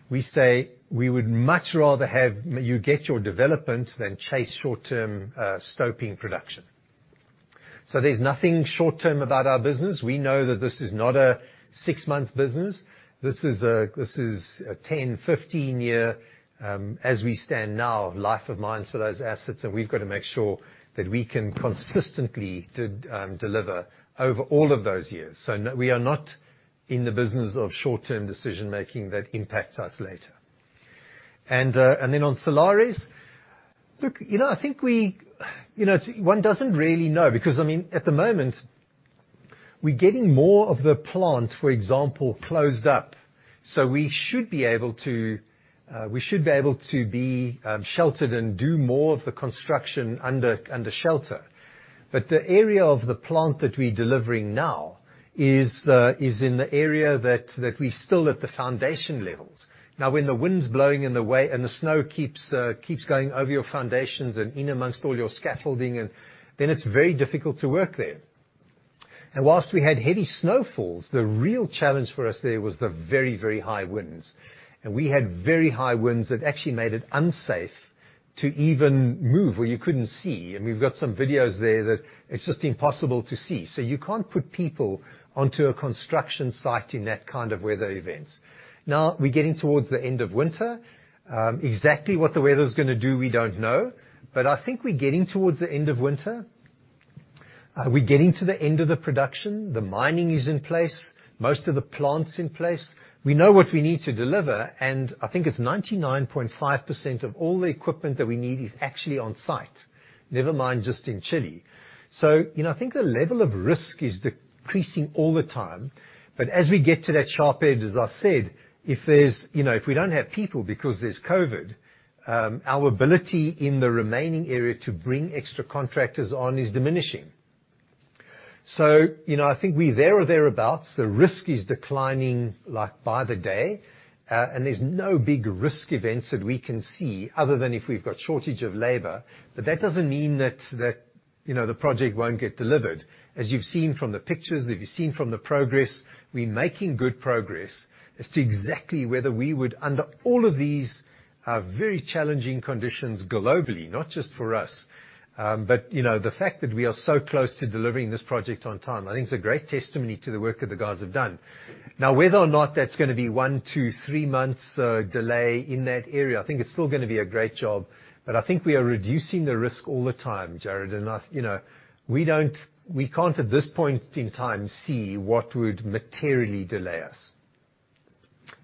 we say we would much rather have you get your development than chase short-term scoping production. There's nothing short-term about our business. We know that this is not a six-month business. This is a 10-15-year, as we stand now, life of mines for those assets, and we've got to make sure that we can consistently deliver over all of those years. No, we are not in the business of short-term decision-making that impacts us later. Then on Salares. Look, you know, I think we. You know, one doesn't really know because, I mean, at the moment we're getting more of the plant, for example, closed up, so we should be able to be sheltered and do more of the construction under shelter. The area of the plant that we're delivering now is in the area that we're still at the foundation levels. Now, when the wind's blowing in the way and the snow keeps going over your foundations and in amongst all your scaffolding, then it's very difficult to work there. While we had heavy snowfalls, the real challenge for us there was the very, very high winds. We had very high winds that actually made it unsafe to even move where you couldn't see. I mean, we've got some videos there that it's just impossible to see. You can't put people onto a construction site in that kind of weather events. Now, we're getting towards the end of winter. Exactly what the weather's gonna do, we don't know. I think we're getting towards the end of winter. Are we getting to the end of the production? The mining is in place, most of the plant's in place. We know what we need to deliver, and I think it's 99.5% of all the equipment that we need is actually on site. Never mind just in Chile. You know, I think the level of risk is decreasing all the time. As we get to that sharp end, as I said, if there's, you know, if we don't have people because there's COVID, our ability in the remaining area to bring extra contractors on is diminishing. You know, I think we're there or thereabouts, the risk is declining, like, by the day. There's no big risk events that we can see other than if we've got shortage of labor. That doesn't mean that, you know, the project won't get delivered. As you've seen from the pictures, as you've seen from the progress, we're making good progress as to exactly whether we would, under all of these, very challenging conditions globally, not just for us. You know, the fact that we are so close to delivering this project on time, I think it's a great testimony to the work that the guys have done. Now, whether or not that's gonna be 1-3 months delay in that area, I think it's still gonna be a great job. I think we are reducing the risk all the time, Jared. You know, we can't, at this point in time, see what would materially delay us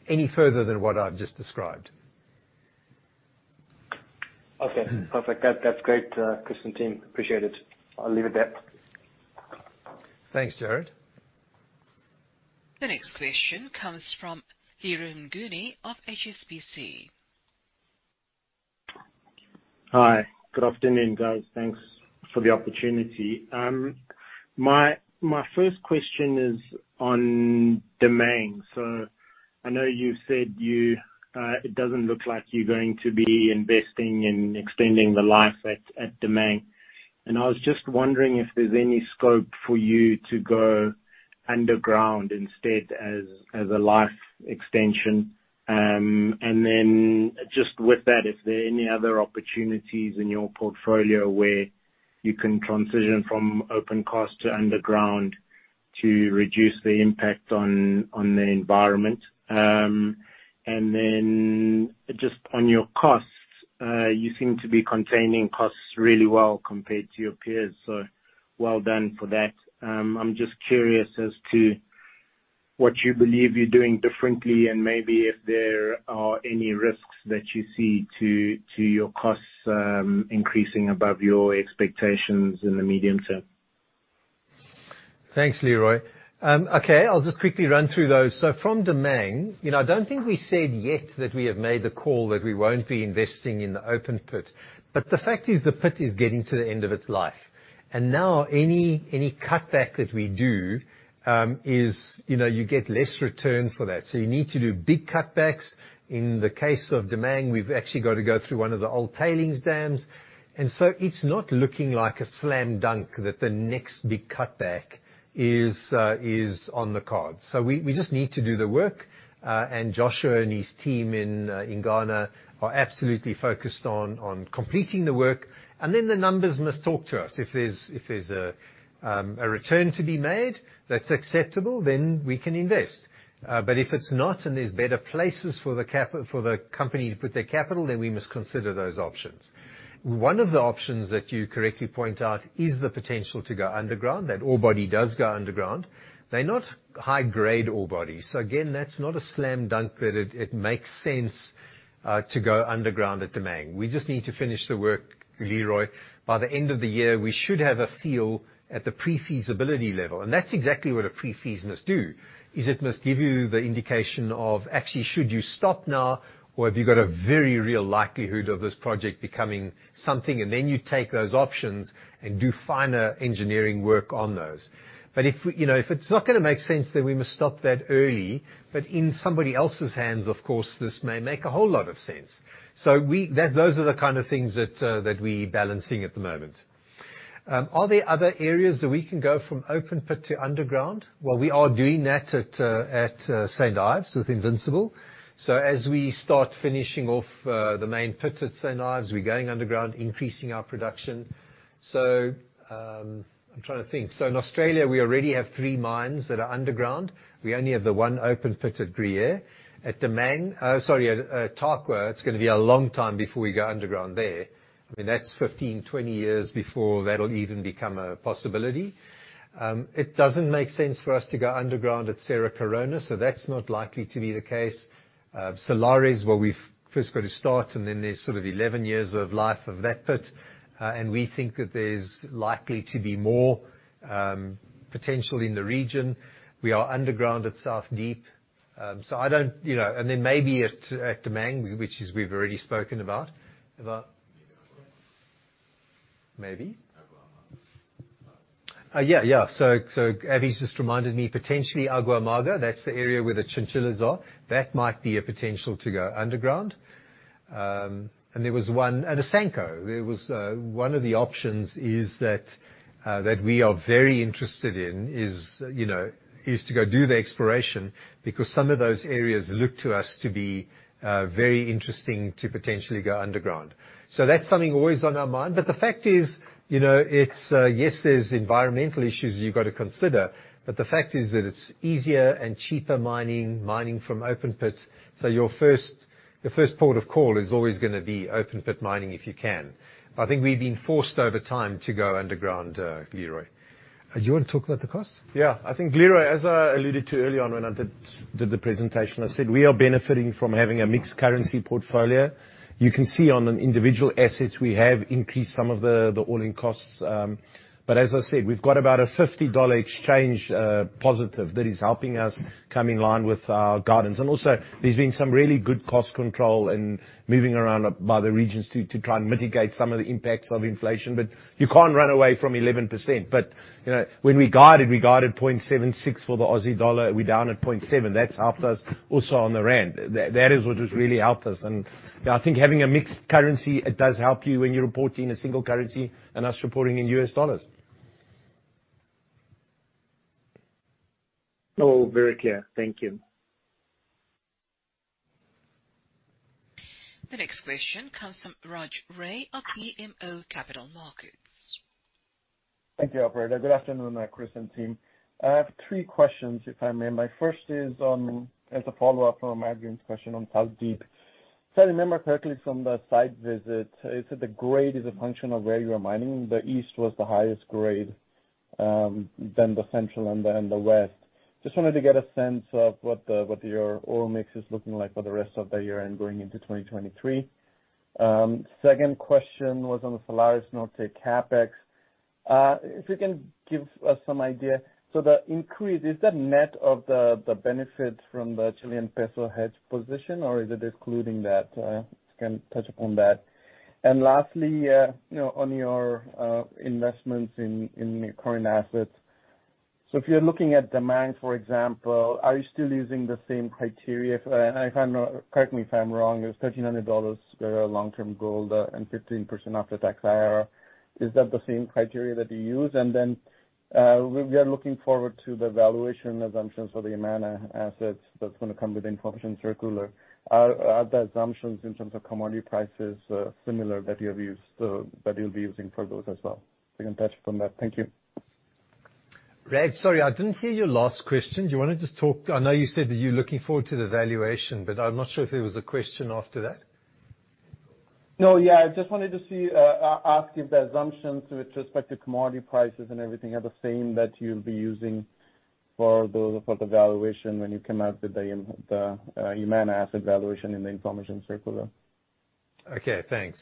any further than what I've just described.
Okay. Perfect. That, that's great, Chris and team. Appreciate it. I'll leave it there.
Thanks, Jared.
The next question comes from Leroy Mnguni of HSBC.
Hi. Good afternoon, guys. Thanks for the opportunity. My first question is on Damang. I know you've said it doesn't look like you're going to be investing in extending the life at Damang. I was just wondering if there's any scope for you to go underground instead as a life extension. Just with that, is there any other opportunities in your portfolio where you can transition from open pit to underground to reduce the impact on the environment? Just on your costs, you seem to be containing costs really well compared to your peers, so well done for that. I'm just curious as to what you believe you're doing differently and maybe if there are any risks that you see to your costs increasing above your expectations in the medium term.
Thanks, Leroy. Okay, I'll just quickly run through those. From Damang, you know, I don't think we said yet that we have made the call that we won't be investing in the open pit. But the fact is the pit is getting to the end of its life. Now any cutback that we do, you know, you get less return for that. You need to do big cutbacks. In the case of Damang, we've actually got to go through one of the old tailings dams. It's not looking like a slam dunk that the next big cutback is on the cards. We just need to do the work. Joshua and his team in Ghana are absolutely focused on completing the work. Then the numbers must talk to us. If there's a return to be made that's acceptable, then we can invest. If it's not and there's better places for the company to put their capital, then we must consider those options. One of the options that you correctly point out is the potential to go underground, that ore body does go underground. They're not high-grade ore bodies. Again, that's not a slam dunk that it makes sense to go underground at Damang. We just need to finish the work, Leroy. By the end of the year, we should have a feel at the pre-feasibility level, and that's exactly what a pre-feas must do. It must give you the indication of actually should you stop now or have you got a very real likelihood of this project becoming something, and then you take those options and do finer engineering work on those. If, you know, if it's not gonna make sense, then we must stop that early. In somebody else's hands, of course, this may make a whole lot of sense. Those are the kind of things that we're balancing at the moment. Are there other areas that we can go from open-pit to underground? Well, we are doing that at St Ives with Invincible. As we start finishing off the main pits at St Ives, we're going underground, increasing our production. I'm trying to think. In Australia, we already have three mines that are underground. We only have the one open pit at Gruyere. At Tarkwa, it's gonna be a long time before we go underground there. I mean, that's 15, 20 years before that'll even become a possibility. It doesn't make sense for us to go underground at Cerro Corona, so that's not likely to be the case. Salares Norte is where we've first got to start, and then there's sort of 11 years of life of that pit, and we think that there's likely to be more potential in the region. We are underground at South Deep. I don't, you know. Maybe at Damang, which is, we've already spoken about. Maybe.
Agua Amarga.
So Abby's just reminded me, potentially Agua Amarga, that's the area where the chinchillas are. That might be a potential to go underground. There was one at Asanko. One of the options is that we are very interested in is, you know, to go do the exploration because some of those areas look to us to be very interesting to potentially go underground. So that's something always on our mind. But the fact is, you know, yes, there's environmental issues you've got to consider, but the fact is that it's easier and cheaper mining from open pits. So your first port of call is always gonna be open pit mining if you can. But I think we've been forced over time to go underground, Leroy. Do you wanna talk about the costs?
Yeah. I think, Leroy, as I alluded to earlier on when I did the presentation, I said we are benefiting from having a mixed currency portfolio. You can see on the individual assets, we have increased some of the all-in costs. But as I said, we've got about a $50 exchange positive that is helping us come in line with our guidance. Also, there's been some really good cost control and moving around by the regions to try and mitigate some of the impacts of inflation. But you can't run away from 11%. But you know, when we guided, we guided 0.76 for the Aussie dollar, we're down at 0.7. That's helped us also on the rand. That is what has really helped us. I think having a mixed currency, it does help you when you're reporting a single currency and our reporting in U.S. dollars.
No, very clear. Thank you.
The next question comes from Raj Ray of BMO Capital Markets.
Thank you, operator. Good afternoon, Chris and team. I have three questions, if I may. My first is on as a follow-up from Adrian's question on South Deep. If I remember correctly from the site visit, you said the grade is a function of where you are mining. The east was the highest grade than the central and the west. Just wanted to get a sense of what your ore mix is looking like for the rest of the year and going into 2023. Second question was on the Salares Norte Capex. If you can give us some idea. So the increase, is that net of the benefit from the Chilean peso hedge position, or is it excluding that? Just kinda touch upon that. Lastly, you know, on your investments in your current assets. If you're looking at demand, for example, are you still using the same criteria? If I'm not, correct me if I'm wrong, it was $1,300 long-term gold and 15% after-tax IRR. Is that the same criteria that you use? Then, we are looking forward to the valuation assumptions for the Yamana assets that's gonna come with the information circular. Are the assumptions in terms of commodity prices similar that you have used, that you'll be using for those as well? If you can touch upon that. Thank you.
Raj, sorry, I didn't hear your last question. Do you wanna just talk? I know you said that you're looking forward to the valuation, but I'm not sure if there was a question after that.
No. Yeah, I just wanted to see, ask if the assumptions with respect to commodity prices and everything are the same that you'll be using for the valuation when you come out with the Yamana asset valuation in the information circular.
Okay, thanks.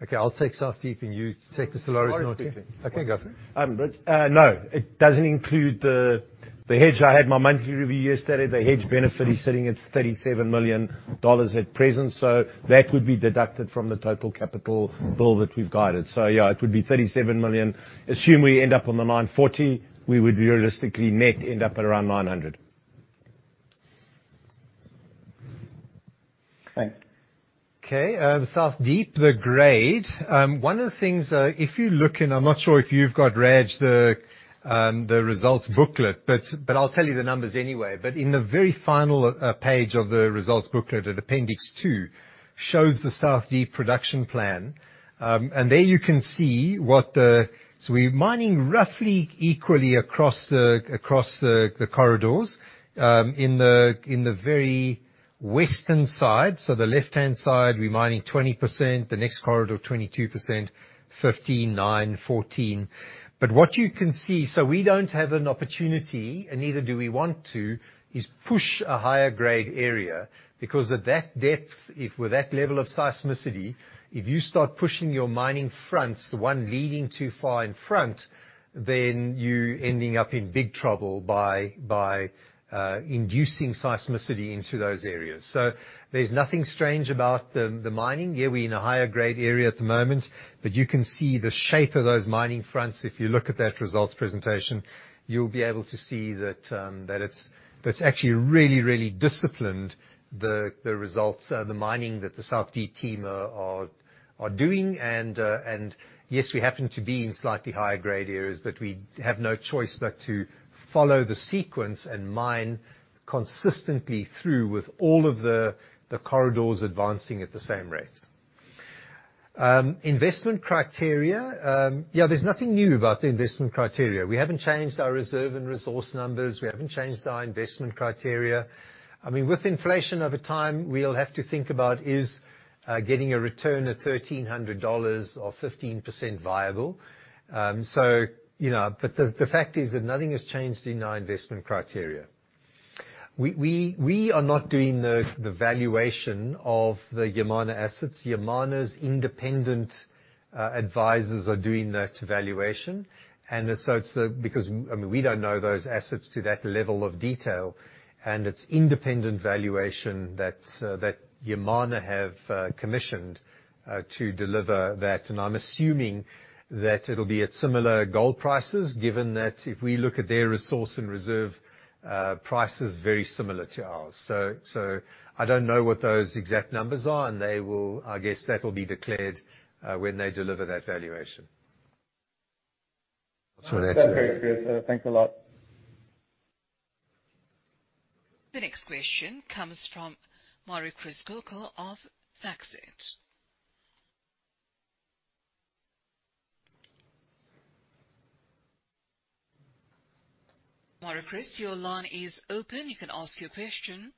Okay, I'll take South Deep, and you take the Salares Norte.
Salares Norte.
Okay, go for it.
No, it doesn't include the hedge. I had my monthly review yesterday. The hedge benefit is sitting at $37 million at present, so that would be deducted from the total capital bill that we've guided. Yeah, it would be $37 million. Assume we end up on the $940 million. We would realistically net end up at around $900 million.
Thanks.
Okay, South Deep, the grade. One of the things, if you look in, I'm not sure if you've got, Raj, the results booklet, but I'll tell you the numbers anyway. In the very final page of the results booklet at Appendix two shows the South Deep production plan. There you can see we're mining roughly equally across the corridors in the very western side. The left-hand side, we're mining 20%, the next corridor, 22%, 15%, 9%, 14%. What you can see, so we don't have an opportunity, and neither do we want to, is push a higher grade area because at that depth, if with that level of seismicity, if you start pushing your mining fronts, one leading too far in front, then you're ending up in big trouble by inducing seismicity into those areas. There's nothing strange about the mining. Yeah, we're in a higher grade area at the moment, but you can see the shape of those mining fronts. If you look at that results presentation, you'll be able to see that it's actually really disciplined, the results, the mining that the South Deep team are doing. Yes, we happen to be in slightly higher grade areas, but we have no choice but to follow the sequence and mine consistently through with all of the corridors advancing at the same rates. Investment criteria. Yeah, there's nothing new about the investment criteria. We haven't changed our reserve and resource numbers. We haven't changed our investment criteria. I mean, with inflation over time, we'll have to think about is getting a return of $1,300 or 15% viable. You know, but the fact is that nothing has changed in our investment criteria. We are not doing the valuation of the Yamana assets. Yamana's independent advisors are doing that valuation. It's the... Because, I mean, we don't know those assets to that level of detail, and it's independent valuation that Yamana Gold have commissioned to deliver that. I'm assuming that it'll be at similar gold prices, given that if we look at their resource and reserve price is very similar to ours. So I don't know what those exact numbers are, and I guess that will be declared when they deliver that valuation. That's where that.
That's very clear, sir. Thanks a lot.
The next question comes from Marukys Coco of Faxit. Marukys, your line is open. You can ask your question.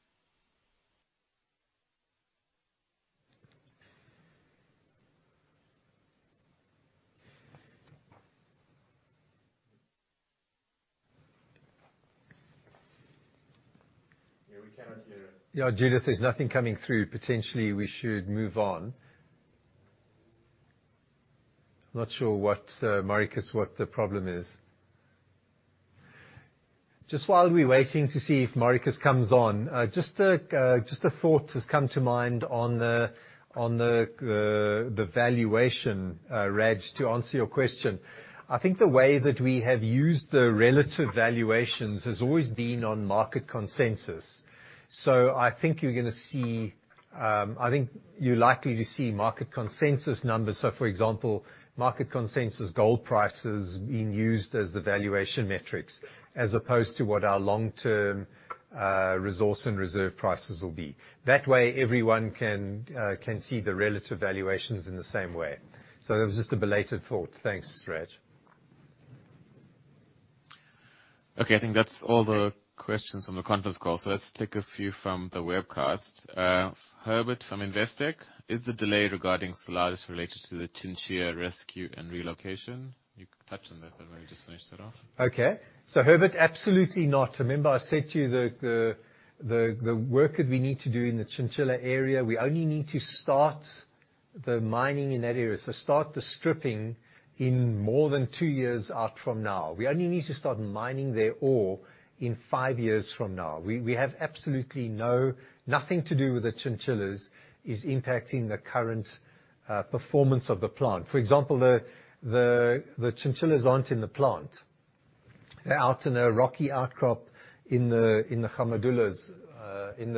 Yeah, we cannot hear it.
Yeah, Judith, there's nothing coming through. Potentially, we should move on. I'm not sure what, Marukys, what the problem is. Just while we're waiting to see if Marukys comes on, just a thought has come to mind on the valuation, Raj, to answer your question. I think the way that we have used the relative valuations has always been on market consensus. I think you're gonna see. I think you're likely to see market consensus numbers. For example, market consensus gold prices being used as the valuation metrics as opposed to what our long-term resource and reserve prices will be. That way, everyone can see the relative valuations in the same way. It was just a belated thought. Thanks, Raj.
Okay, I think that's all the questions from the conference call, so let's take a few from the webcast. Herbert from Investec. Is the delay regarding Salares related to the chinchilla rescue and relocation? You touched on that, but let me just finish that off.
Okay. Herbert, absolutely not. Remember I said to you the work that we need to do in the chinchilla area, we only need to start the mining in that area. Start the stripping in more than two years out from now. We only need to start mining their ore in five years from now. We have absolutely no nothing to do with the chinchillas is impacting the current performance of the plant. For example, the chinchillas aren't in the plant. They're out in a rocky outcrop in the Amarguras in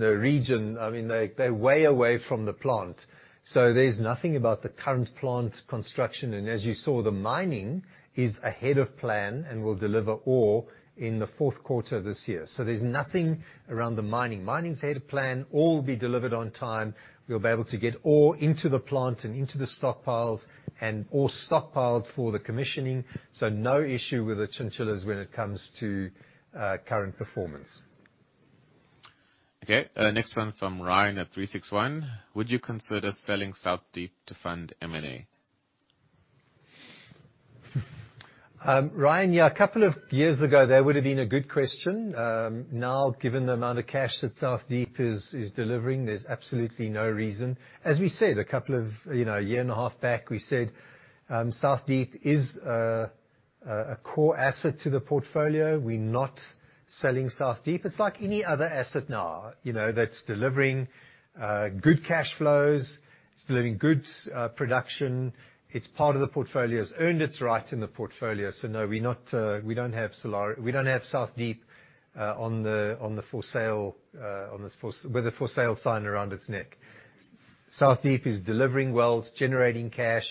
the region. I mean, they're way away from the plant. There's nothing about the current plant construction. As you saw, the mining is ahead of plan and will deliver ore in the fourth quarter of this year. There's nothing around the mining. Mining's ahead of plan, ore will be delivered on time. We'll be able to get ore into the plant and into the stockpiles and ore stockpiled for the commissioning. No issue with the chinchillas when it comes to current performance.
Okay. Next one from Ryan at 361. Would you consider selling South Deep to fund M&A?
Ryan, yeah, a couple of years ago, that would've been a good question. Now, given the amount of cash that South Deep is delivering, there's absolutely no reason. As we said, a couple of, you know, a year and a half back, we said, South Deep is a core asset to the portfolio. We're not selling South Deep. It's like any other asset now, you know, that's delivering good cash flows. It's delivering good production. It's part of the portfolio. It's earned its right in the portfolio. No, we're not. We don't have South Deep on the for sale with a for sale sign around its neck. South Deep is delivering well, generating cash.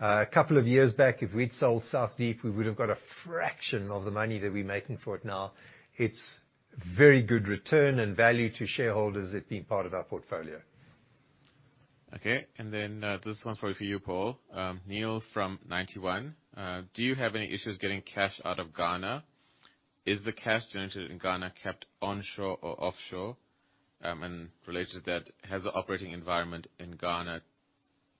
A couple of years back, if we'd sold South Deep, we would've got a fraction of the money that we're making for it now. It's very good return and value to shareholders, it being part of our portfolio.
Okay. This one's probably for you, Paul. Neil from Ninety One. Do you have any issues getting cash out of Ghana? Is the cash generated in Ghana kept onshore or offshore? Related to that, has the operating environment in Ghana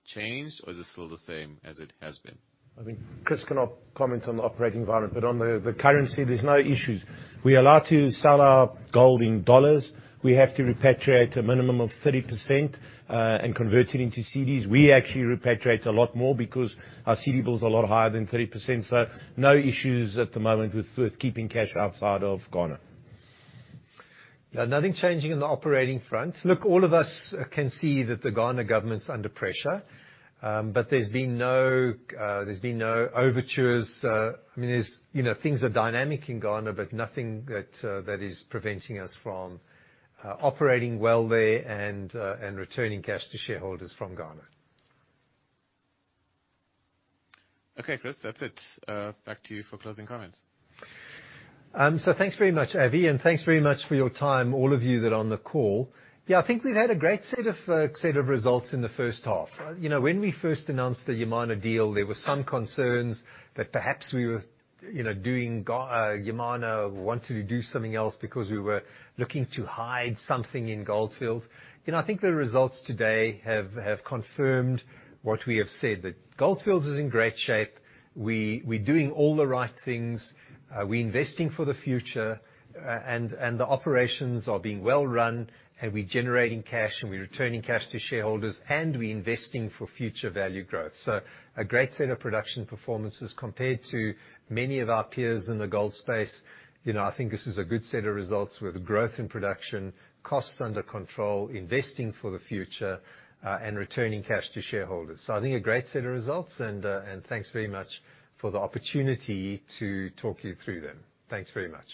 changed, or is it still the same as it has been?
I think Chris cannot comment on the operating environment, but on the currency, there's no issues. We are allowed to sell our gold in dollars. We have to repatriate a minimum of 30%, and convert it into cedis. We actually repatriate a lot more because our cedi bill is a lot higher than 30%, so no issues at the moment with keeping cash outside of Ghana.
Yeah, nothing changing on the operating front. Look, all of us can see that the Ghana government's under pressure. There's been no overtures. I mean, there's, you know, things are dynamic in Ghana, but nothing that is preventing us from operating well there and returning cash to shareholders from Ghana.
Okay, Chris, that's it. Back to you for closing comments.
Thanks very much, Avi. Thanks very much for your time, all of you that are on the call. Yeah, I think we've had a great set of results in the first half. You know, when we first announced the Yamana deal, there were some concerns that perhaps we were, you know, Yamana wanted to do something else because we were looking to hide something in Gold Fields. You know, I think the results today have confirmed what we have said, that Gold Fields is in great shape. We're doing all the right things. We're investing for the future, and the operations are being well run, and we're generating cash, and we're returning cash to shareholders, and we're investing for future value growth. A great set of production performances compared to many of our peers in the gold space. You know, I think this is a good set of results with growth in production, costs under control, investing for the future, and returning cash to shareholders. I think a great set of results and thanks very much for the opportunity to talk you through them. Thanks very much.